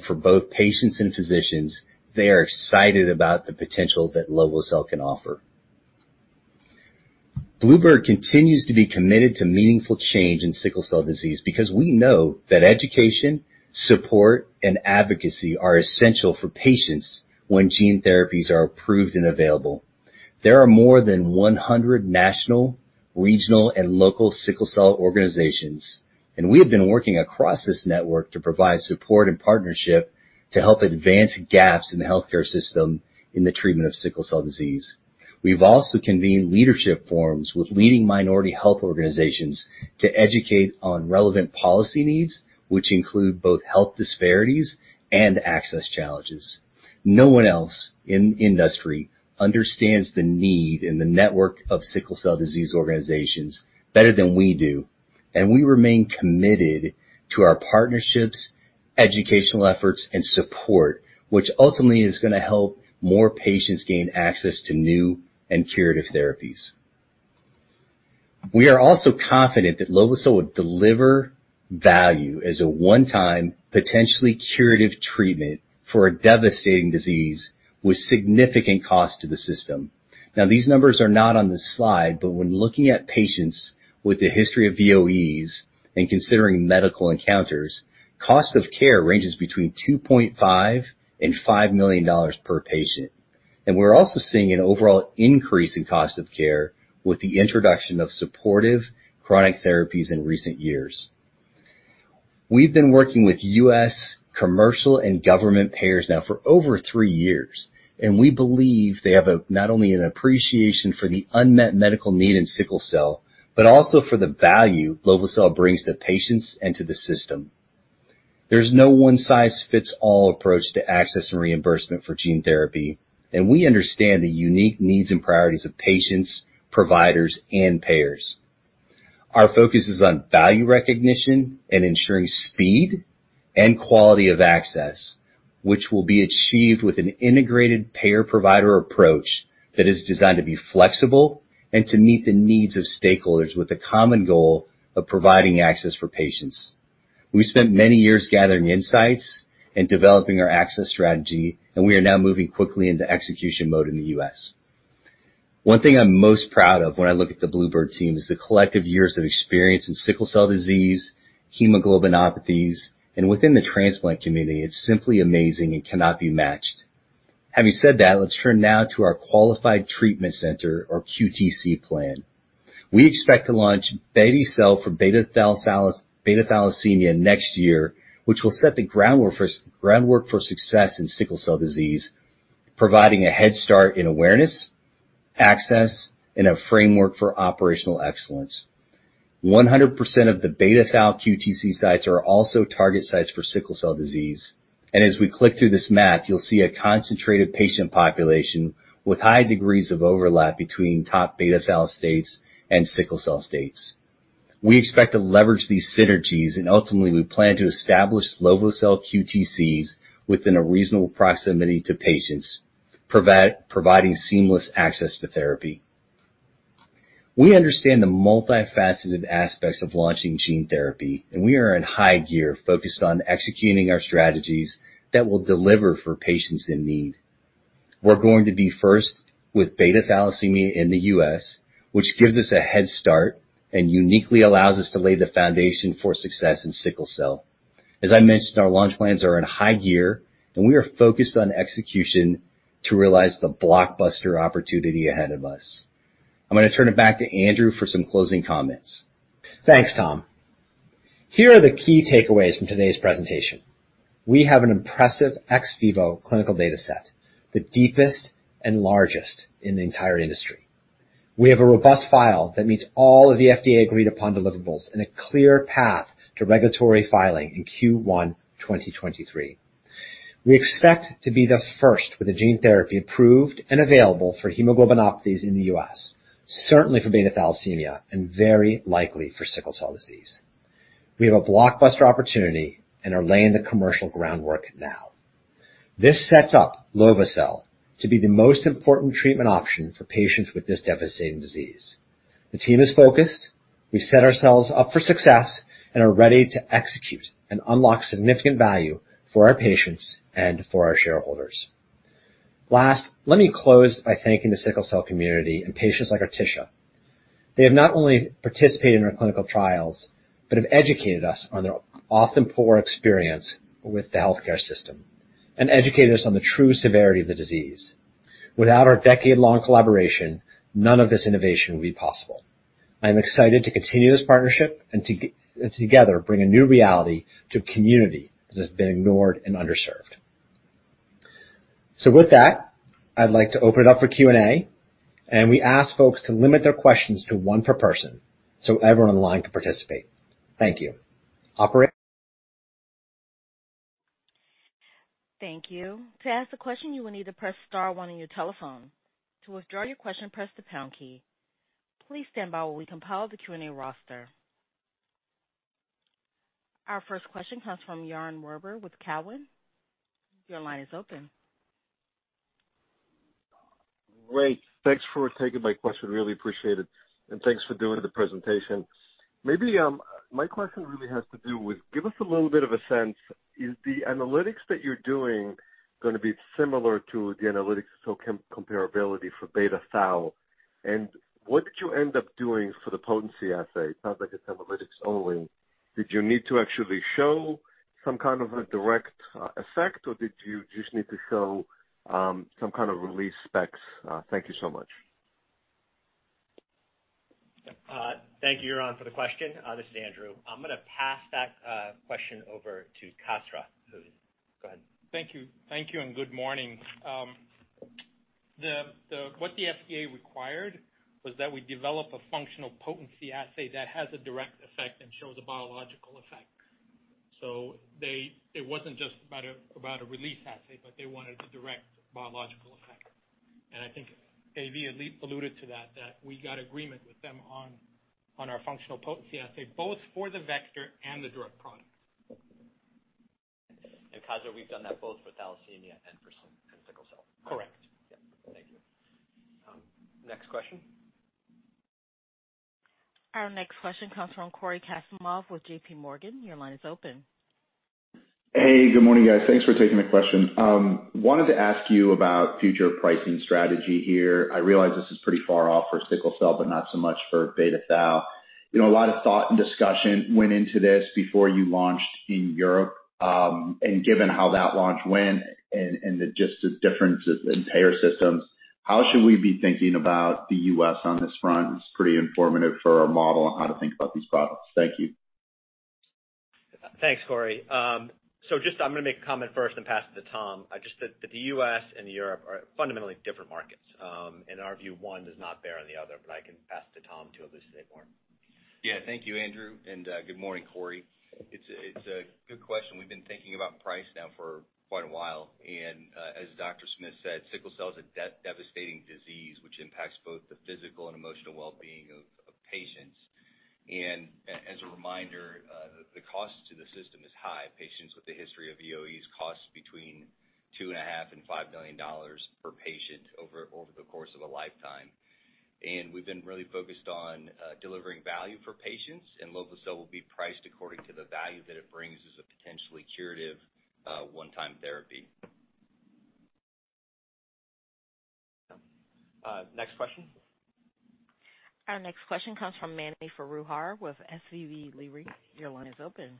For both patients and physicians, they are excited about the potential that lovo-cel can offer. bluebird continues to be committed to meaningful change in sickle cell disease because we know that education, support, and advocacy are essential for patients when gene therapies are approved and available. There are more than one hundred national, regional, and local sickle cell organizations, and we have been working across this network to provide support and partnership to help advance gaps in the healthcare system in the treatment of sickle cell disease. We've also convened leadership forums with leading minority health organizations to educate on relevant policy needs, which include both health disparities and access challenges. No one else in industry understands the need and the network of sickle cell disease organizations better than we do, and we remain committed to our partnerships, educational efforts, and support, which ultimately is gonna help more patients gain access to new and curative therapies. We are also confident that lovo-cel will deliver value as a one-time, potentially curative treatment for a devastating disease with significant cost to the system. Now, these numbers are not on this slide, but when looking at patients with a history of VOEs and considering medical encounters, cost of care ranges between $2.5 to 5 million per patient. We're also seeing an overall increase in cost of care with the introduction of supportive chronic therapies in recent years. We've been working with U.S. commercial and government payers now for over three years, and we believe they have not only an appreciation for the unmet medical need in sickle cell, but also for the value lovo-cel brings to patients and to the system. There's no one-size-fits-all approach to access and reimbursement for gene therapy, and we understand the unique needs and priorities of patients, providers, and payers. Our focus is on value recognition and ensuring speed and quality of access, which will be achieved with an integrated payer-provider approach that is designed to be flexible and to meet the needs of stakeholders with the common goal of providing access for patients. We spent many years gathering insights and developing our access strategy, and we are now moving quickly into execution mode in the U.S. One thing I'm most proud of when I look at the bluebird team is the collective years of experience in sickle cell disease, hemoglobinopathies, and within the transplant community. It's simply amazing and cannot be matched. Having said that, let's turn now to our qualified treatment center or QTC plan. We expect to launch beti-cel for beta-thalassemia next year, which will set the groundwork for groundwork for success in sickle cell disease, providing a head start in awareness, access, and a framework for operational excellence. 100% of the beta-thalassemia QTC sites are also target sites for sickle cell disease. As we click through this map, you'll see a concentrated patient population with high degrees of overlap between top beta thal states and sickle cell states. We expect to leverage these synergies, and ultimately, we plan to establish lovo-cel QTCs within a reasonable proximity to patients, providing seamless access to therapy. We understand the multifaceted aspects of launching gene therapy, and we are in high gear focused on executing our strategies that will deliver for patients in need. We're going to be first with beta thalassemia in the U.S., which gives us a head start and uniquely allows us to lay the foundation for success in sickle cell. As I mentioned, our launch plans are in high gear, and we are focused on execution to realize the blockbuster opportunity ahead of us. I'm gonna turn it back to Andrew for some closing comments. Thanks, Tom. Here are the key takeaways from today's presentation. We have an impressive ex vivo clinical data set, the deepest and largest in the entire industry. We have a robust file that meets all of the FDA agreed upon deliverables and a clear path to regulatory filing in Q1 2023. We expect to be the first with a gene therapy approved and available for hemoglobinopathies in the US, certainly for beta thalassemia and very likely for sickle cell disease. We have a blockbuster opportunity and are laying the commercial groundwork now. This sets up lovo-cel to be the most important treatment option for patients with this devastating disease. The team is focused. We've set ourselves up for success and are ready to execute and unlock significant value for our patients and for our shareholders. Last, let me close by thanking the sickle cell community and patients like Artishia. They have not only participated in our clinical trials, but have educated us on their often poor experience with the healthcare system and educated us on the true severity of the disease. Without our decade-long collaboration, none of this innovation would be possible. I'm excited to continue this partnership and together bring a new reality to a community that has been ignored and underserved. With that, I'd like to open it up for Q&A, and we ask folks to limit their questions to one per person so everyone online can participate. Thank you. Operator? Thank you. To ask a question, you will need to press star one on your telephone. To withdraw your question, press the pound key. Please stand by while we compile the Q&A roster. Our first question comes from Yaron Werber with TD Cowen. Your line is open. Great. Thanks for taking my question. Really appreciate it, and thanks for doing the presentation. Maybe my question really has to do with, give us a little bit of a sense, is the analytics that you're doing gonna be similar to the analytics so comparability for beta thal? And what did you end up doing for the potency assay? It sounds like it's analytics only. Did you need to actually show some kind of a direct effect, or did you just need to show some kind of release specs? Thank you so much. Thank you, Yaron, for the question. This is Andrew. I'm gonna pass that question over to Kasra. Go ahead. Thank you. Thank you and good morning. What the FDA required was that we develop a functional potency assay that has a direct effect and shows a biological effect. It wasn't just about a release assay, but they wanted a direct biological effect. I think A.V. at least alluded to that we got agreement with them on our functional potency assay, both for the vector and the drug product. Kasra, we've done that both for thalassemia and for sickle cell. Correct. Yeah. Thank you. Next question. Our next question comes from Cory Kasimov with JP Morgan. Your line is open. Hey, good morning, guys. Thanks for taking the question. Wanted to ask you about future pricing strategy here. I realize this is pretty far off for sickle cell, but not so much for beta thal. You know, a lot of thought and discussion went into this before you launched in Europe, and given how that launch went and the differences in payer systems, how should we be thinking about the U.S. on this front? It's pretty informative for our model on how to think about these products. Thank you. Thanks, Cory. Just I'm gonna make a comment first and pass it to Tom. Just that the U.S. and Europe are fundamentally different markets. In our view, one does not bear on the other, but I can pass to Tom to elucidate more. Yeah. Thank you, Andrew, and good morning, Cory. It's a good question. We've been thinking about price now for quite a while, and as Dr. Smith said, sickle cell is a devastating disease which impacts both the physical and emotional well-being of patients. As a reminder, the cost to the system is high. Patients with a history of VOEs cost between $2.5 to 5 million per patient over the course of a lifetime. We've been really focused on delivering value for patients, and lovo-cel will be priced according to the value that it brings as a potentially curative one-time therapy. Next question. Our next question comes from Mani Foroohar with Leerink Partners. Your line is open.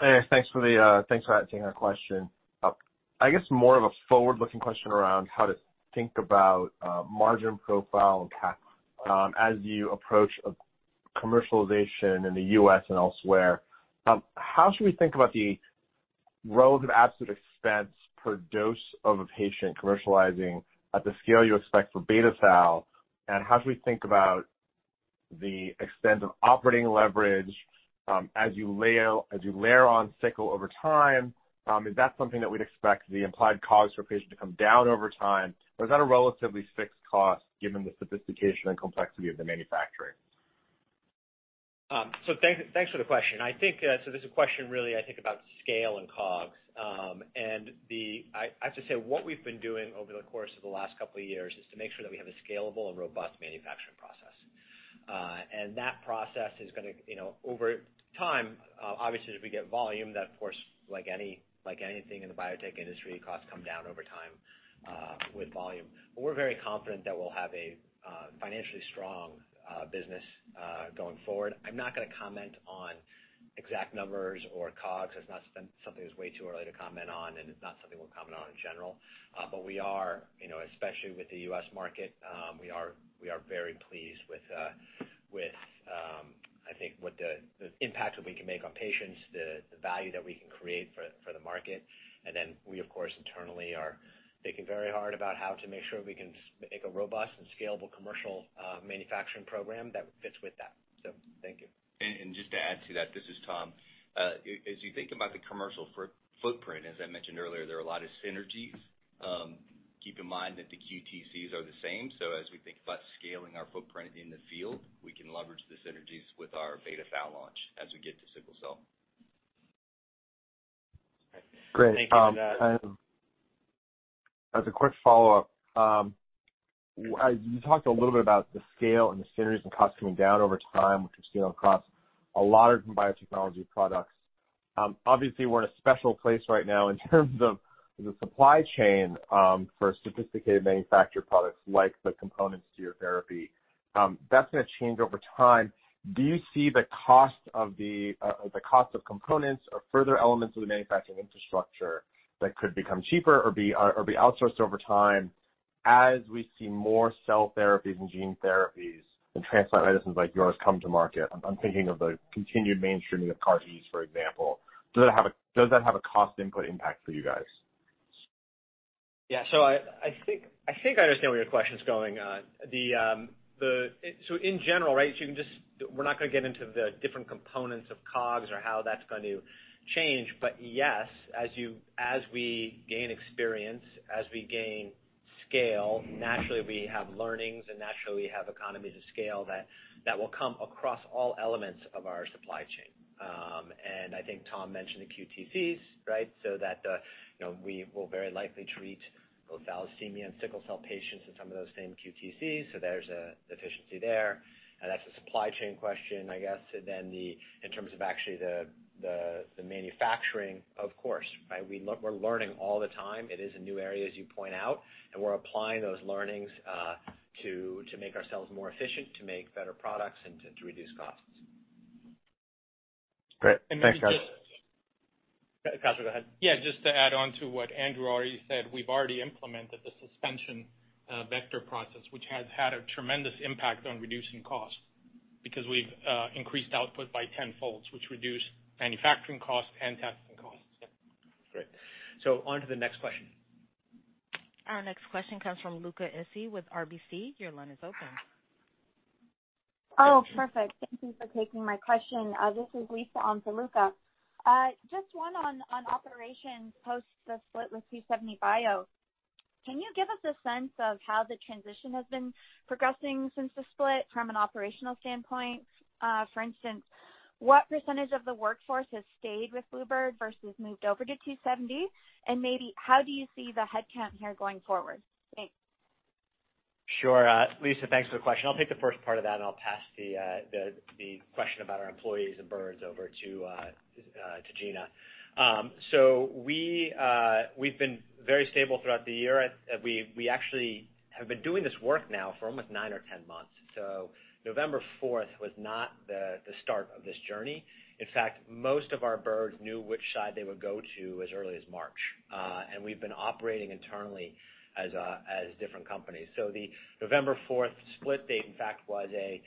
Hey, thanks for taking our question. I guess more of a forward-looking question around how to think about margin profile and as you approach a commercialization in the US and elsewhere. How should we think about the relative absolute expense per dose of a patient commercializing at the scale you expect for beta thal? How should we think about the extent of operating leverage as you layer on sickle over time? Is that something that we'd expect the implied cost for a patient to come down over time, or is that a relatively fixed cost given the sophistication and complexity of the manufacturing? Thanks for the question. I think this is a question really I think about scale and COGS. What we've been doing over the course of the last couple of years is to make sure that we have a scalable and robust manufacturing process. That process is gonna, you know, over time, obviously, as we get volume, that of course like anything in the biotech industry, costs come down over time with volume. We're very confident that we'll have a financially strong business going forward. I'm not gonna comment on exact numbers or COGS. That's not something. It's way too early to comment on, and it's not something we'll comment on in general. We are, you know, especially with the U.S. market, very pleased with I think what the impact that we can make on patients, the value that we can create for the market. Then we of course internally are thinking very hard about how to make sure we can make a robust and scalable commercial manufacturing program that fits with that. Thank you. Just to add to that, this is Tom. As you think about the commercial footprint, as I mentioned earlier, there are a lot of synergies. Keep in mind that the QTCs are the same. As we think about scaling our footprint in the field, we can leverage the synergies with our beta thal launch as we get to sickle cell. Great. Thank you. Great. As a quick follow-up, I... You talked a little bit about the scale and the synergies and costs coming down over time, which we've seen across a lot of biotechnology products. Obviously, we're in a special place right now in terms of the supply chain, for sophisticated manufactured products like the components to your therapy. That's gonna change over time. Do you see the cost of components or further elements of the manufacturing infrastructure that could become cheaper or be outsourced over time as we see more cell therapies and gene therapies and transplant medicines like yours come to market? I'm thinking of the continued mainstreaming of CAR-Ts, for example. Does that have a cost input impact for you guys? I think I understand where your question's going. In general, we're not gonna get into the different components of COGS or how that's going to change. Yes, as we gain experience, as we gain scale, naturally we have learnings, and naturally we have economies of scale that will come across all elements of our supply chain. I think Tom mentioned the QTCs, right? We will very likely treat both thalassemia and sickle cell patients in some of those same QTCs, so there's an efficiency there. That's a supply chain question, I guess. In terms of actually the manufacturing, of course, right? We're learning all the time. It is a new area, as you point out, and we're applying those learnings to make ourselves more efficient, to make better products, and to reduce costs. Great. Thanks, guys. Maybe just Kasra, go ahead. Yeah, just to add on to what Andrew already said, we've already implemented the suspension vector process, which has had a tremendous impact on reducing costs because we've increased output by 10-fold, which reduced manufacturing costs and testing costs. Yeah. Great. On to the next question. Our next question comes from Luca Issi with RBC. Your line is open. Perfect. Thank you for taking my question. This is Lisa on for Luca. Just one on operations, post the split with 2seventy bio bio. Can you give us a sense of how the transition has been progressing since the split from an operational standpoint? For instance, what percentage of the workforce has stayed with bluebird bio versus moved over to 2seventy bio bio? And maybe how do you see the headcount here going forward? Thanks. Sure, Lisa, thanks for the question. I'll take the first part of that, and I'll pass the question about our employees and birds over to Gina. We've been very stable throughout the year. We actually have been doing this work now for almost nine or 10 months. four November was not the start of this journey. In fact, most of our birds knew which side they would go to as early as March, and we've been operating internally as different companies. The November fourth split date, in fact, was a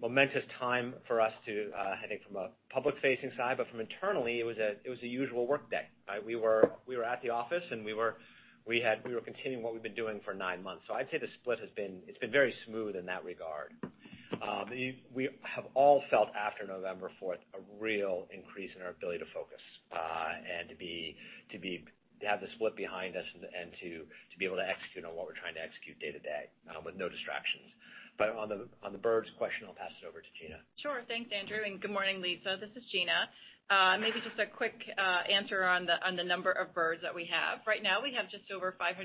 momentous time for us to, I think from a public-facing side, but from internally, it was a usual workday, right? We were at the office and continuing what we've been doing for nine months. I'd say the split has been very smooth in that regard. We have all felt, after November fourth, a real increase in our ability to focus and to have the split behind us and to be able to execute on what we're trying to execute day to day with no distractions. On the bluebird's question, I'll pass it over to Gina. Sure. Thanks, Andrew, and good morning, Lisa. This is Gina. Maybe just a quick answer on the number of birds that we have. Right now, we have just over 500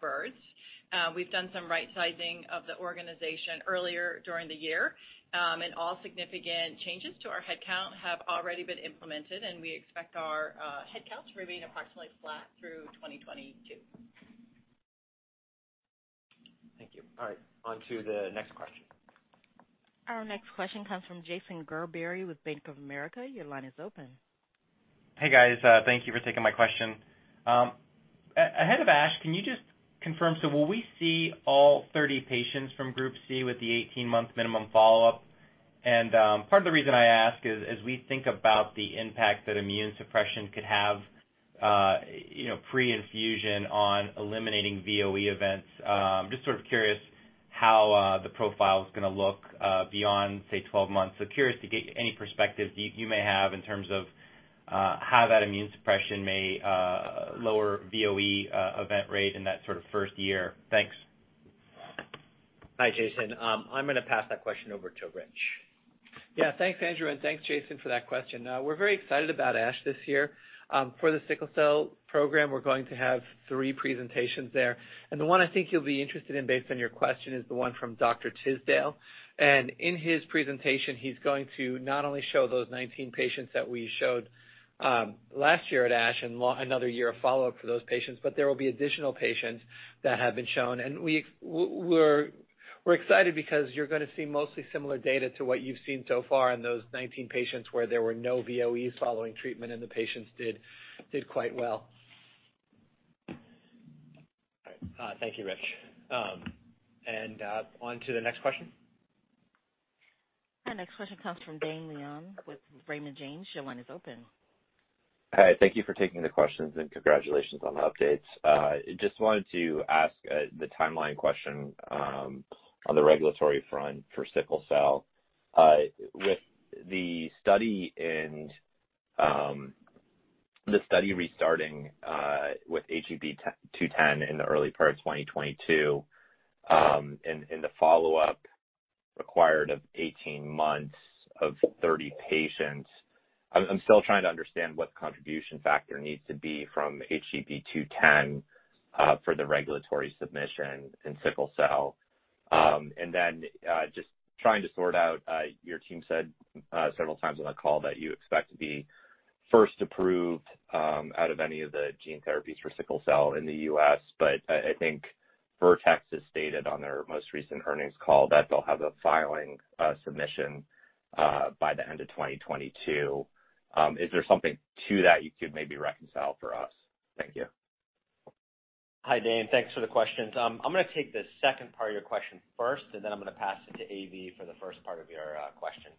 birds. We've done some right sizing of the organization earlier during the year, and all significant changes to our headcount have already been implemented, and we expect our headcount to remain approximately flat through 2022. Thank you. All right, on to the next question. Our next question comes from Jason Gerberry with Bank of America. Your line is open. Hey, guys. Thank you for taking my question. Ahead of ASH, can you just confirm, so will we see all 30 patients from Group C with the 18-month minimum follow-up? Part of the reason I ask is, as we think about the impact that immune suppression could have, you know, pre-infusion on eliminating VOE events, just sort of curious how the profile's gonna look beyond, say, 12 months. Curious to get any perspective you may have in terms of how that immune suppression may lower VOE event rate in that sort of first year. Thanks. Hi, Jason. I'm gonna pass that question over to Rich. Yeah. Thanks, Andrew, and thanks, Jason, for that question. We're very excited about ASH this year. For the sickle cell program, we're going to have three presentations there. The one I think you'll be interested in based on your question is the one from Dr. Tisdale. In his presentation, he's going to not only show those 19 patients that we showed last year at ASH and another year of follow-up for those patients, but there will be additional patients that have been shown. We're excited because you're gonna see mostly similar data to what you've seen so far in those 19 patients, where there were no VOE following treatment and the patients did quite well. Thank you, Rich. On to the next question. The next question comes from Dane Leone with Raymond James. Your line is open. Hi, thank you for taking the questions, and congratulations on the updates. Just wanted to ask the timeline question on the regulatory front for sickle cell. With the study restarting with HGB-210 in the early part of 2022, and the follow-up required of 18 months of 30 patients. I'm still trying to understand what the contribution factor needs to be from HGB-210 for the regulatory submission in sickle cell. Just trying to sort out, your team said several times on the call that you expect to be first approved out of any of the gene therapies for sickle cell in the U.S. I think Vertex has stated on their most recent earnings call that they'll have a filing, submission, by the end of 2022. Is there something to that you could maybe reconcile for us? Thank you. Hi, Dane. Thanks for the questions. I'm gonna take the second part of your question first, and then I'm gonna pass it to AV for the first part of your question.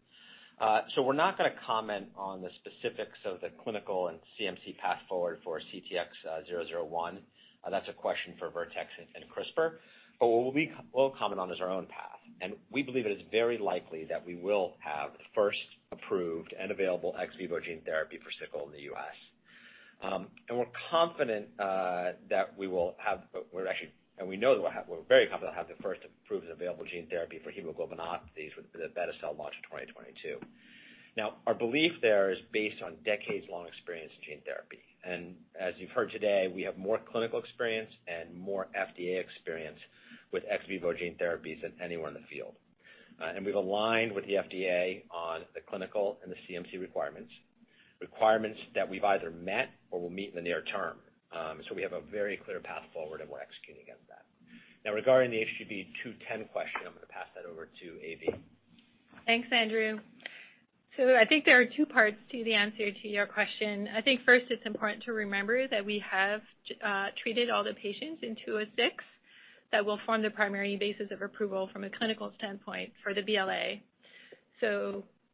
So we're not gonna comment on the specifics of the clinical and CMC path forward for CTX001. That's a question for Vertex and CRISPR. What we will comment on is our own path, and we believe it is very likely that we will have the first approved and available ex vivo gene therapy for sickle in the US. We're very confident we'll have the first approved and available gene therapy for hemoglobinopathies with the beti-cel launch in 2022. Now, our belief there is based on decades-long experience in gene therapy, and as you've heard today, we have more clinical experience and more FDA experience with ex vivo gene therapies than anyone in the field. We've aligned with the FDA on the clinical and the CMC requirements that we've either met or will meet in the near term. We have a very clear path forward, and we're executing against that. Now, regarding the HGB-210 question, I'm gonna pass that over to AV. Thanks, Andrew. I think there are two parts to the answer to your question. I think first it's important to remember that we have treated all the patients in HGB-206 that will form the primary basis of approval from a clinical standpoint for the BLA.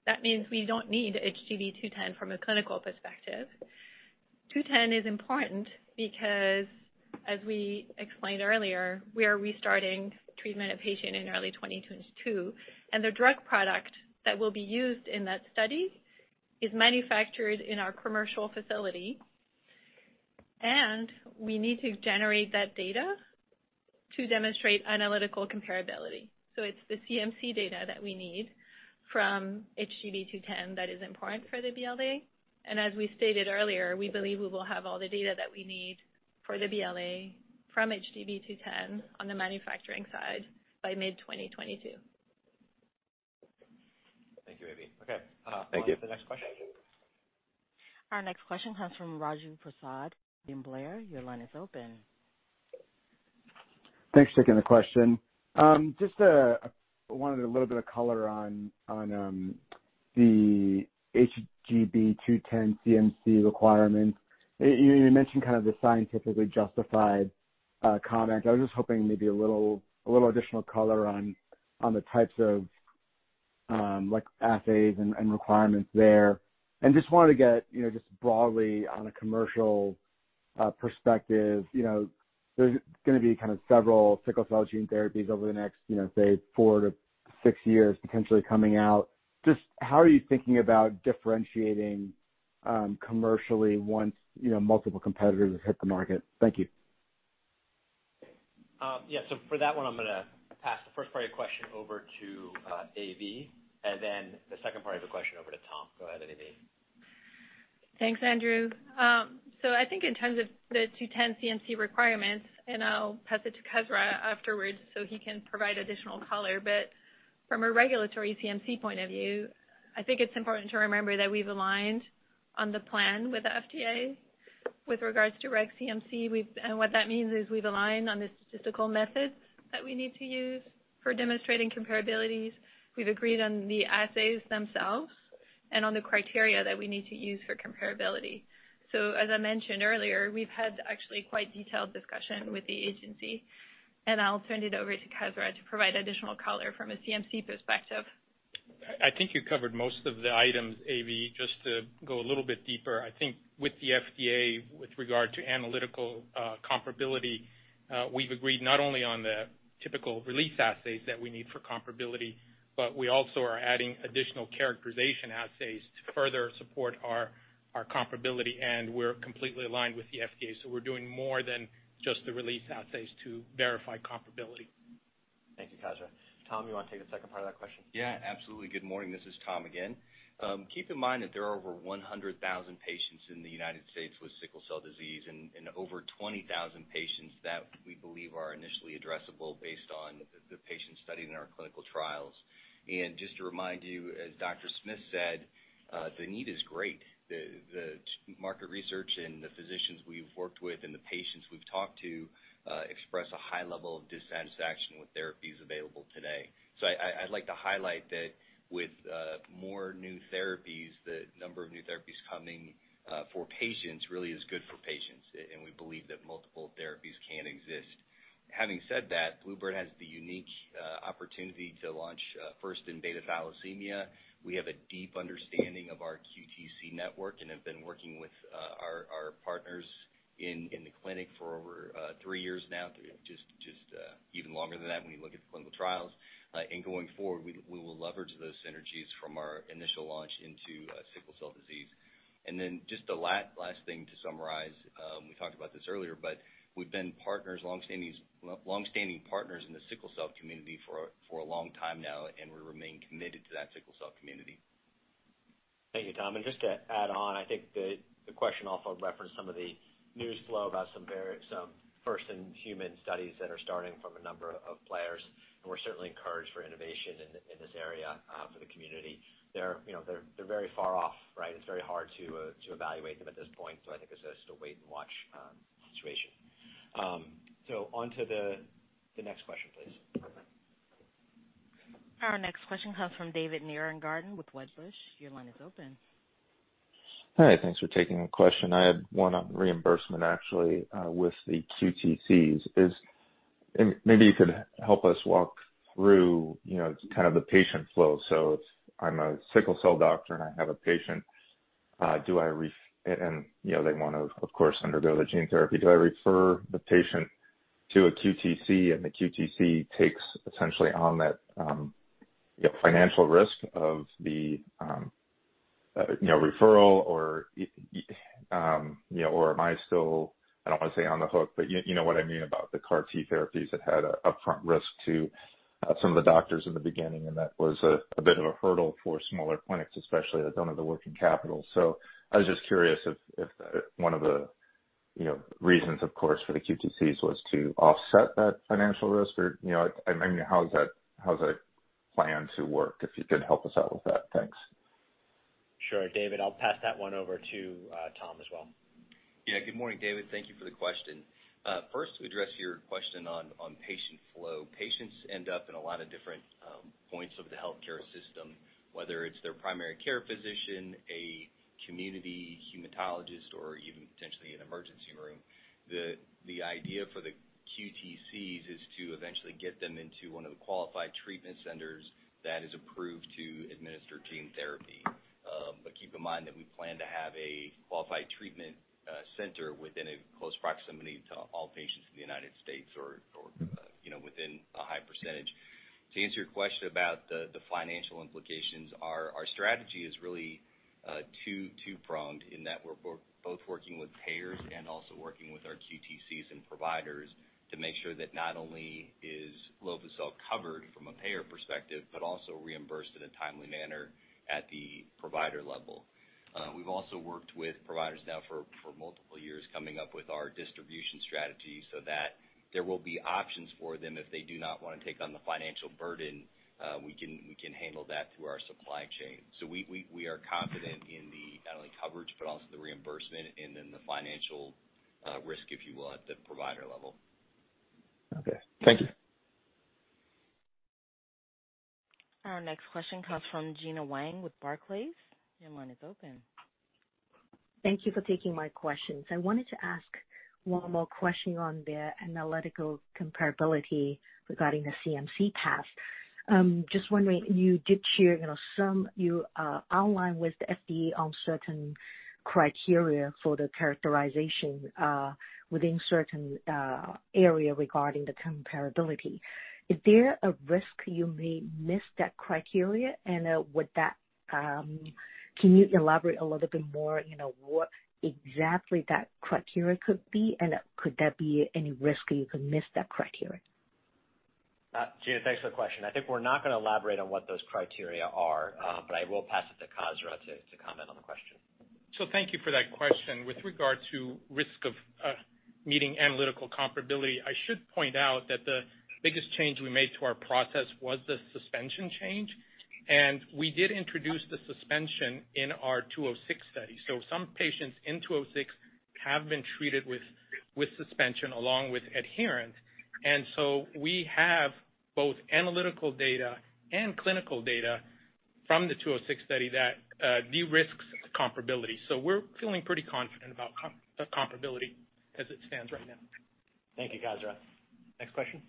That means we don't need HGB-210 from a clinical perspective. Two ten is important because, as we explained earlier, we are restarting treatment of patient in early 2022, and the drug product that will be used in that study is manufactured in our commercial facility, and we need to generate that data to demonstrate analytical comparability. It's the CMC data that we need from HGB-210 that is important for the BLA. As we stated earlier, we believe we will have all the data that we need for the BLA from HGB-210 on the manufacturing side by mid-2022. Thank you, AV. Okay, Thank you. On to the next question. Our next question comes from Raju Prasad in William Blair. Your line is open. Thanks for taking the question. Just wanted a little bit of color on the HGB-210 CMC requirements. You mentioned kind of the scientifically justified comment. I was just hoping maybe a little additional color on the types of like assays and requirements there. Just wanted to get, you know, just broadly on a commercial perspective, you know, there's gonna be kind of several sickle cell gene therapies over the next, you know, say, four to six years potentially coming out. Just how are you thinking about differentiating commercially once, you know, multiple competitors have hit the market? Thank you. Yeah. For that one I'm gonna pass the first part of your question over to AV, and then the second part of the question over to Tom. Go ahead, AV. Thanks, Andrew. I think in terms of the 2seventy CMC requirements, and I'll pass it to Kasra afterwards so he can provide additional color, but from a regulatory CMC point of view, I think it's important to remember that we've aligned on the plan with the FDA with regards to reg CMC. We've and what that means is we've aligned on the statistical methods that we need to use for demonstrating comparabilities. We've agreed on the assays themselves and on the criteria that we need to use for comparability. As I mentioned earlier, we've had actually quite detailed discussion with the agency, and I'll turn it over to Kasra to provide additional color from a CMC perspective. I think you covered most of the items, AV. Just to go a little bit deeper, I think with the FDA, with regard to analytical comparability, we've agreed not only on the typical release assays that we need for comparability, but we also are adding additional characterization assays to further support our comparability, and we're completely aligned with the FDA. We're doing more than just the release assays to verify comparability. Thank you, Kasra. Tom, you wanna take the second part of that question? Yeah, absolutely. Good morning. This is Tom again. Keep in mind that there are over 100,000 patients in the United States with sickle cell disease and over 20,000 patients that we believe are initially addressable based on the patients studied in our clinical trials. Just to remind you, as Dr. Smith said, the need is great. The market research and the physicians we've worked with and the patients we've talked to express a high level of dissatisfaction with therapies available today. I'd like to highlight that with more new therapies, the number of new therapies coming for patients really is good for patients, and we believe that multiple therapies can exist. Having said that, Bluebird has the unique opportunity to launch first in beta thalassemia. We have a deep understanding of our QTC network and have been working with our partners in the clinic for over three years now, just even longer than that when you look at the clinical trials. Going forward, we will leverage those synergies from our initial launch into sickle cell disease. Then just the last thing to summarize, we talked about this earlier, but we've been longstanding partners in the sickle cell community for a long time now, and we remain committed to that sickle cell community. Thank you, Tom. Just to add on, I think the question also referenced some of the news flow about some first-in-human studies that are starting from a number of players, and we're certainly encouraged for innovation in this area for the community. They're very far off, right? It's very hard to evaluate them at this point, so I think it's just a wait and watch situation. So on to the next question, please. Our next question comes from David Nierengarten with Wedbush. Your line is open. Hi. Thanks for taking the question. I had one on reimbursement actually, with the QTCs. Maybe you could help us walk through, you know, kind of the patient flow. So if I'm a sickle cell doctor and I have a patient, and, you know, they wanna, of course, undergo the gene therapy, do I refer the patient to a QTC and the QTC takes essentially on that, you know, financial risk of the, you know, referral? Or, you know, or am I still, I don't wanna say on the hook, but you know what I mean about the CAR-T therapies that had a upfront risk to, some of the doctors in the beginning, and that was a bit of a hurdle for smaller clinics, especially that don't have the working capital. I was just curious if one of the, you know, reasons, of course, for the QTCs was to offset that financial risk or, you know, I mean, how is that plan to work? If you could help us out with that. Thanks. Sure, David. I'll pass that one over to Tom as well. Yeah. Good morning, David. Thank you for the question. First, to address your question on patient flow, patients end up in a lot of different points of the healthcare system, whether it's their primary care physician, a community hematologist, or even potentially an emergency room. The idea for the QTCs is to eventually get them into one of the qualified treatment centers that is approved to administer gene therapy. Keep in mind that we plan to have a qualified treatment center within a close proximity to all patients in the United States or you know, within a high percentage. To answer your question about the financial implications, our strategy is really two-pronged in that we're both working with payers and also working with our QTCs and providers to make sure that not only is lovo-cel covered from a payer perspective but also reimbursed in a timely manner at the provider level. We've also worked with providers now for multiple years coming up with our distribution strategy so that there will be options for them if they do not wanna take on the financial burden. We can handle that through our supply chain. We are confident in the not only coverage but also the reimbursement and then the financial risk, if you will, at the provider level. Okay. Thank you. Our next question comes from Gena Wang with Barclays. Your line is open. Thank you for taking my questions. I wanted to ask one more question on the analytical comparability regarding the CMC path. Just wondering, you did share, you know, some outline with the FDA on certain criteria for the characterization within certain area regarding the comparability. Is there a risk you may miss that criteria? Can you elaborate a little bit more, you know, what exactly that criteria could be, and could there be any risk you could miss that criteria? Gina, thanks for the question. I think we're not gonna elaborate on what those criteria are, but I will pass it to Kasra to comment on the question. Thank you for that question. With regard to risk of meeting analytical comparability, I should point out that the biggest change we made to our process was the suspension change, and we did introduce the suspension in our 206 study. Some patients in 206 have been treated with suspension along with adherent. We have both analytical data and clinical data from the 206 study that de-risks the comparability. We're feeling pretty confident about the comparability as it stands right now. Thank you, Kasra. Next question.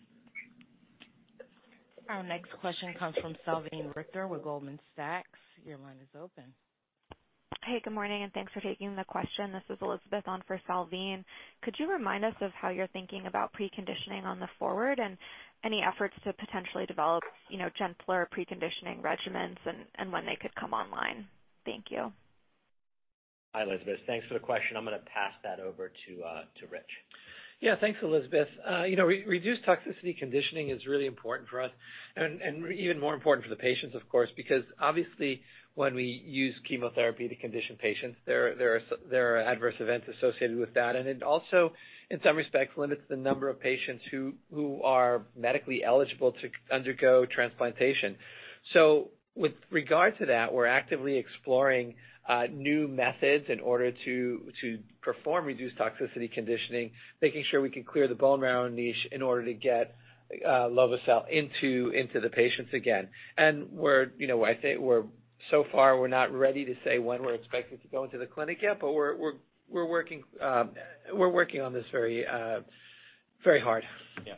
Our next question comes from Salveen Richter with Goldman Sachs. Your line is open. Hey, good morning, and thanks for taking the question. This is Elizabeth on for Salveen. Could you remind us of how you're thinking about preconditioning on the forward and any efforts to potentially develop, you know, gentler preconditioning regimens and when they could come online? Thank you. Hi, Elizabeth. Thanks for the question. I'm gonna pass that over to Rich. Yeah. Thanks, Elizabeth. You know, reduced toxicity conditioning is really important for us and even more important for the patients, of course, because obviously when we use chemotherapy to condition patients, there are adverse events associated with that. It also, in some respects, limits the number of patients who are medically eligible to undergo transplantation. With regard to that, we're actively exploring new methods in order to perform reduced toxicity conditioning, making sure we can clear the bone marrow niche in order to get lovo-cel into the patients again. We're, you know, I think so far, we're not ready to say when we're expecting to go into the clinic yet, but we're working on this very hard. Yeah.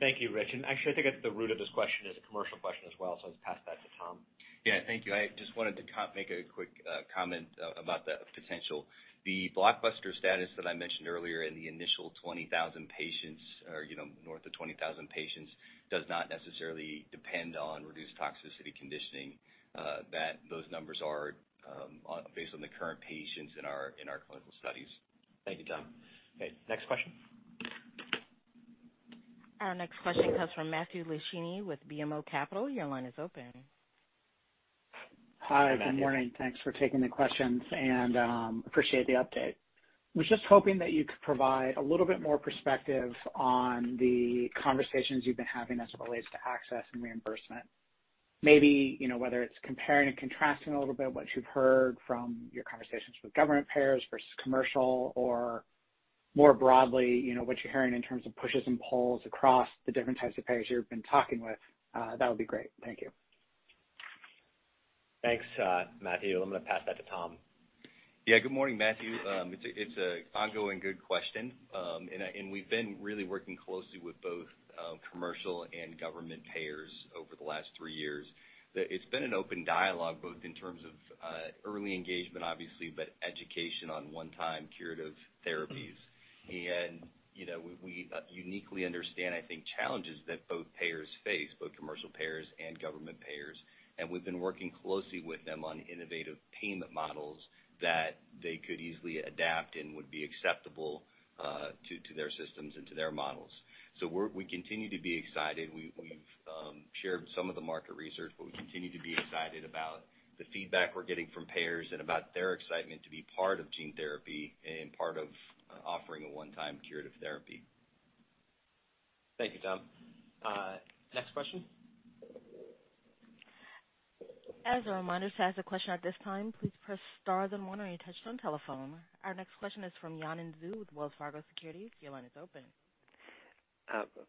Thank you, Rich. Actually, I think at the root of this question is a commercial question as well, so I'll just pass that to Tom. Yeah. Thank you. I just wanted to make a quick comment about the potential. The blockbuster status that I mentioned earlier in the initial 20,000 patients or, you know, north of 20,000 patients does not necessarily depend on reduced toxicity conditioning, that those numbers are based on the current patients in our clinical studies. Thank you, Tom. Okay, next question. Our next question comes from Matthew Luchini with BMO Capital Markets. Your line is open. Hi. Good morning. Thanks for taking the questions and appreciate the update. Was just hoping that you could provide a little bit more perspective on the conversations you've been having as it relates to access and reimbursement. Maybe, you know, whether it's comparing and contrasting a little bit what you've heard from your conversations with government payers versus commercial or more broadly, you know, what you're hearing in terms of pushes and pulls across the different types of payers you've been talking with, that would be great. Thank you. Thanks, Matthew. I'm gonna pass that to Tom. Yeah. Good morning, Matthew. It's an ongoing good question. We've been really working closely with both commercial and government payers over the last three years. It's been an open dialogue, both in terms of early engagement obviously, but education on one-time curative therapies. You know, we uniquely understand, I think, challenges that both payers face, both commercial payers and government payers. We've been working closely with them on innovative payment models that they could easily adapt and would be acceptable to their systems and to their models. We continue to be excited. We've shared some of the market research, but we continue to be excited about the feedback we're getting from payers and about their excitement to be part of gene therapy and part of offering a one-time curative therapy. Thank you, Tom. Next question. As a reminder, to ask a question at this time, please press star then one on your touchtone telephone. Our next question is from Yanan Zhu with Wells Fargo Securities. Your line is open.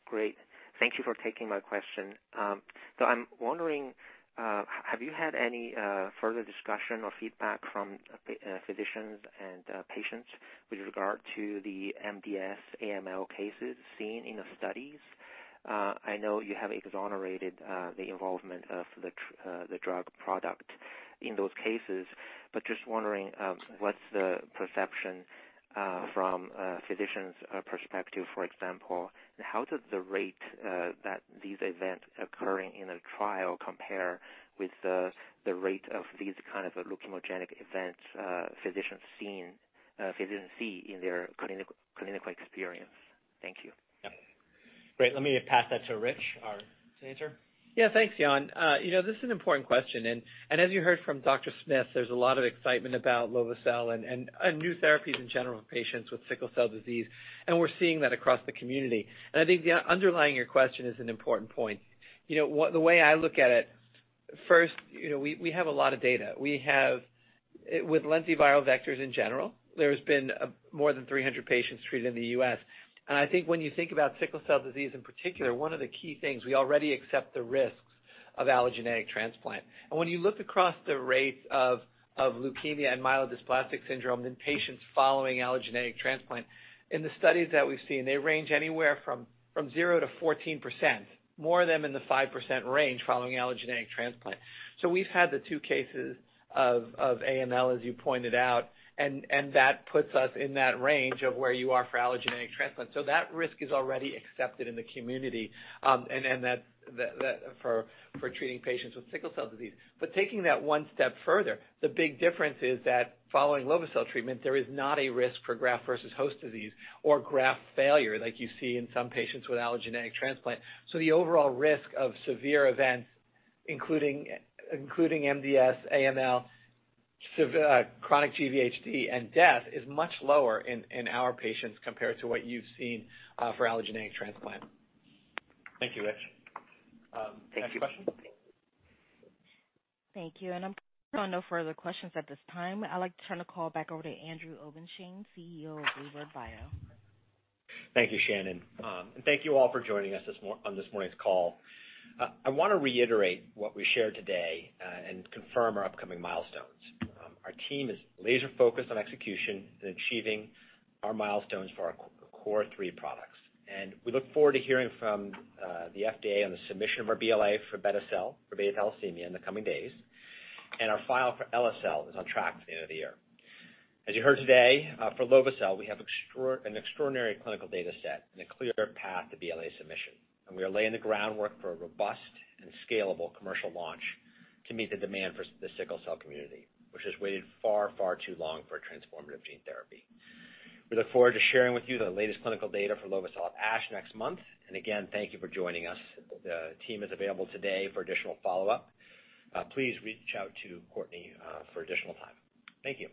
Great. Thank you for taking my question. I'm wondering, have you had any further discussion or feedback from physicians and patients with regard to the MDS AML cases seen in the studies? I know you have exonerated the involvement of the drug product in those cases, but just wondering, what's the perception from a physician's perspective, for example, and how does the rate that these events occurring in a trial compare with the rate of these kind of leukemogenic events physicians see in their clinical experience? Thank you. Yeah. Great. Let me pass that to Rich, our answer. Yeah. Thanks, Yanan. You know, this is an important question. As you heard from Dr. Smith, there's a lot of excitement about lovo-cel and new therapies in general in patients with sickle cell disease, and we're seeing that across the community. I think the underlying your question is an important point. You know, the way I look at it, first, you know, we have a lot of data. We have, with lentiviral vectors in general, there's been more than 300 patients treated in the US I think when you think about sickle cell disease in particular, one of the key things, we already accept the risks of allogeneic transplant. When you look across the rates of leukemia and myelodysplastic syndrome in patients following allogeneic transplant, in the studies that we've seen, they range anywhere from 0% to 14%, more of them in the 5% range following allogeneic transplant. We've had the two cases of AML, as you pointed out, and that puts us in that range of where you are for allogeneic transplant. That risk is already accepted in the community for treating patients with sickle cell disease. Taking that one step further, the big difference is that following lovo-cel treatment, there is not a risk for graft-versus-host disease or graft failure like you see in some patients with allogeneic transplant. The overall risk of severe events, including MDS, AML, chronic GvHD, and death is much lower in our patients compared to what you've seen for allogeneic transplant. Thank you, Rich. Next question. Thank you. I'm showing no further questions at this time. I'd like to turn the call back over to Andrew Obenshain, CEO of bluebird bio. Thank you, Shannon. Thank you all for joining us this morning's call. I wanna reiterate what we shared today, and confirm our upcoming milestones. Our team is laser focused on execution and achieving our milestones for our core three products. We look forward to hearing from the FDA on the submission of our BLA for beti-cel for beta thalassemia in the coming days, and our file for eli-cel is on track for the end of the year. As you heard today, for lovo-cel, we have extraordinary clinical data set and a clear path to BLA submission, and we are laying the groundwork for a robust and scalable commercial launch to meet the demand for the sickle cell community, which has waited far, far too long for a transformative gene therapy. We look forward to sharing with you the latest clinical data for lovo-cel at ASH next month. Again, thank you for joining us. The team is available today for additional follow-up. Please reach out to Courtney for additional time. Thank you.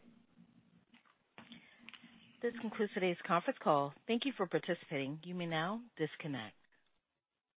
This concludes today's conference call. Thank you for participating. You may now disconnect.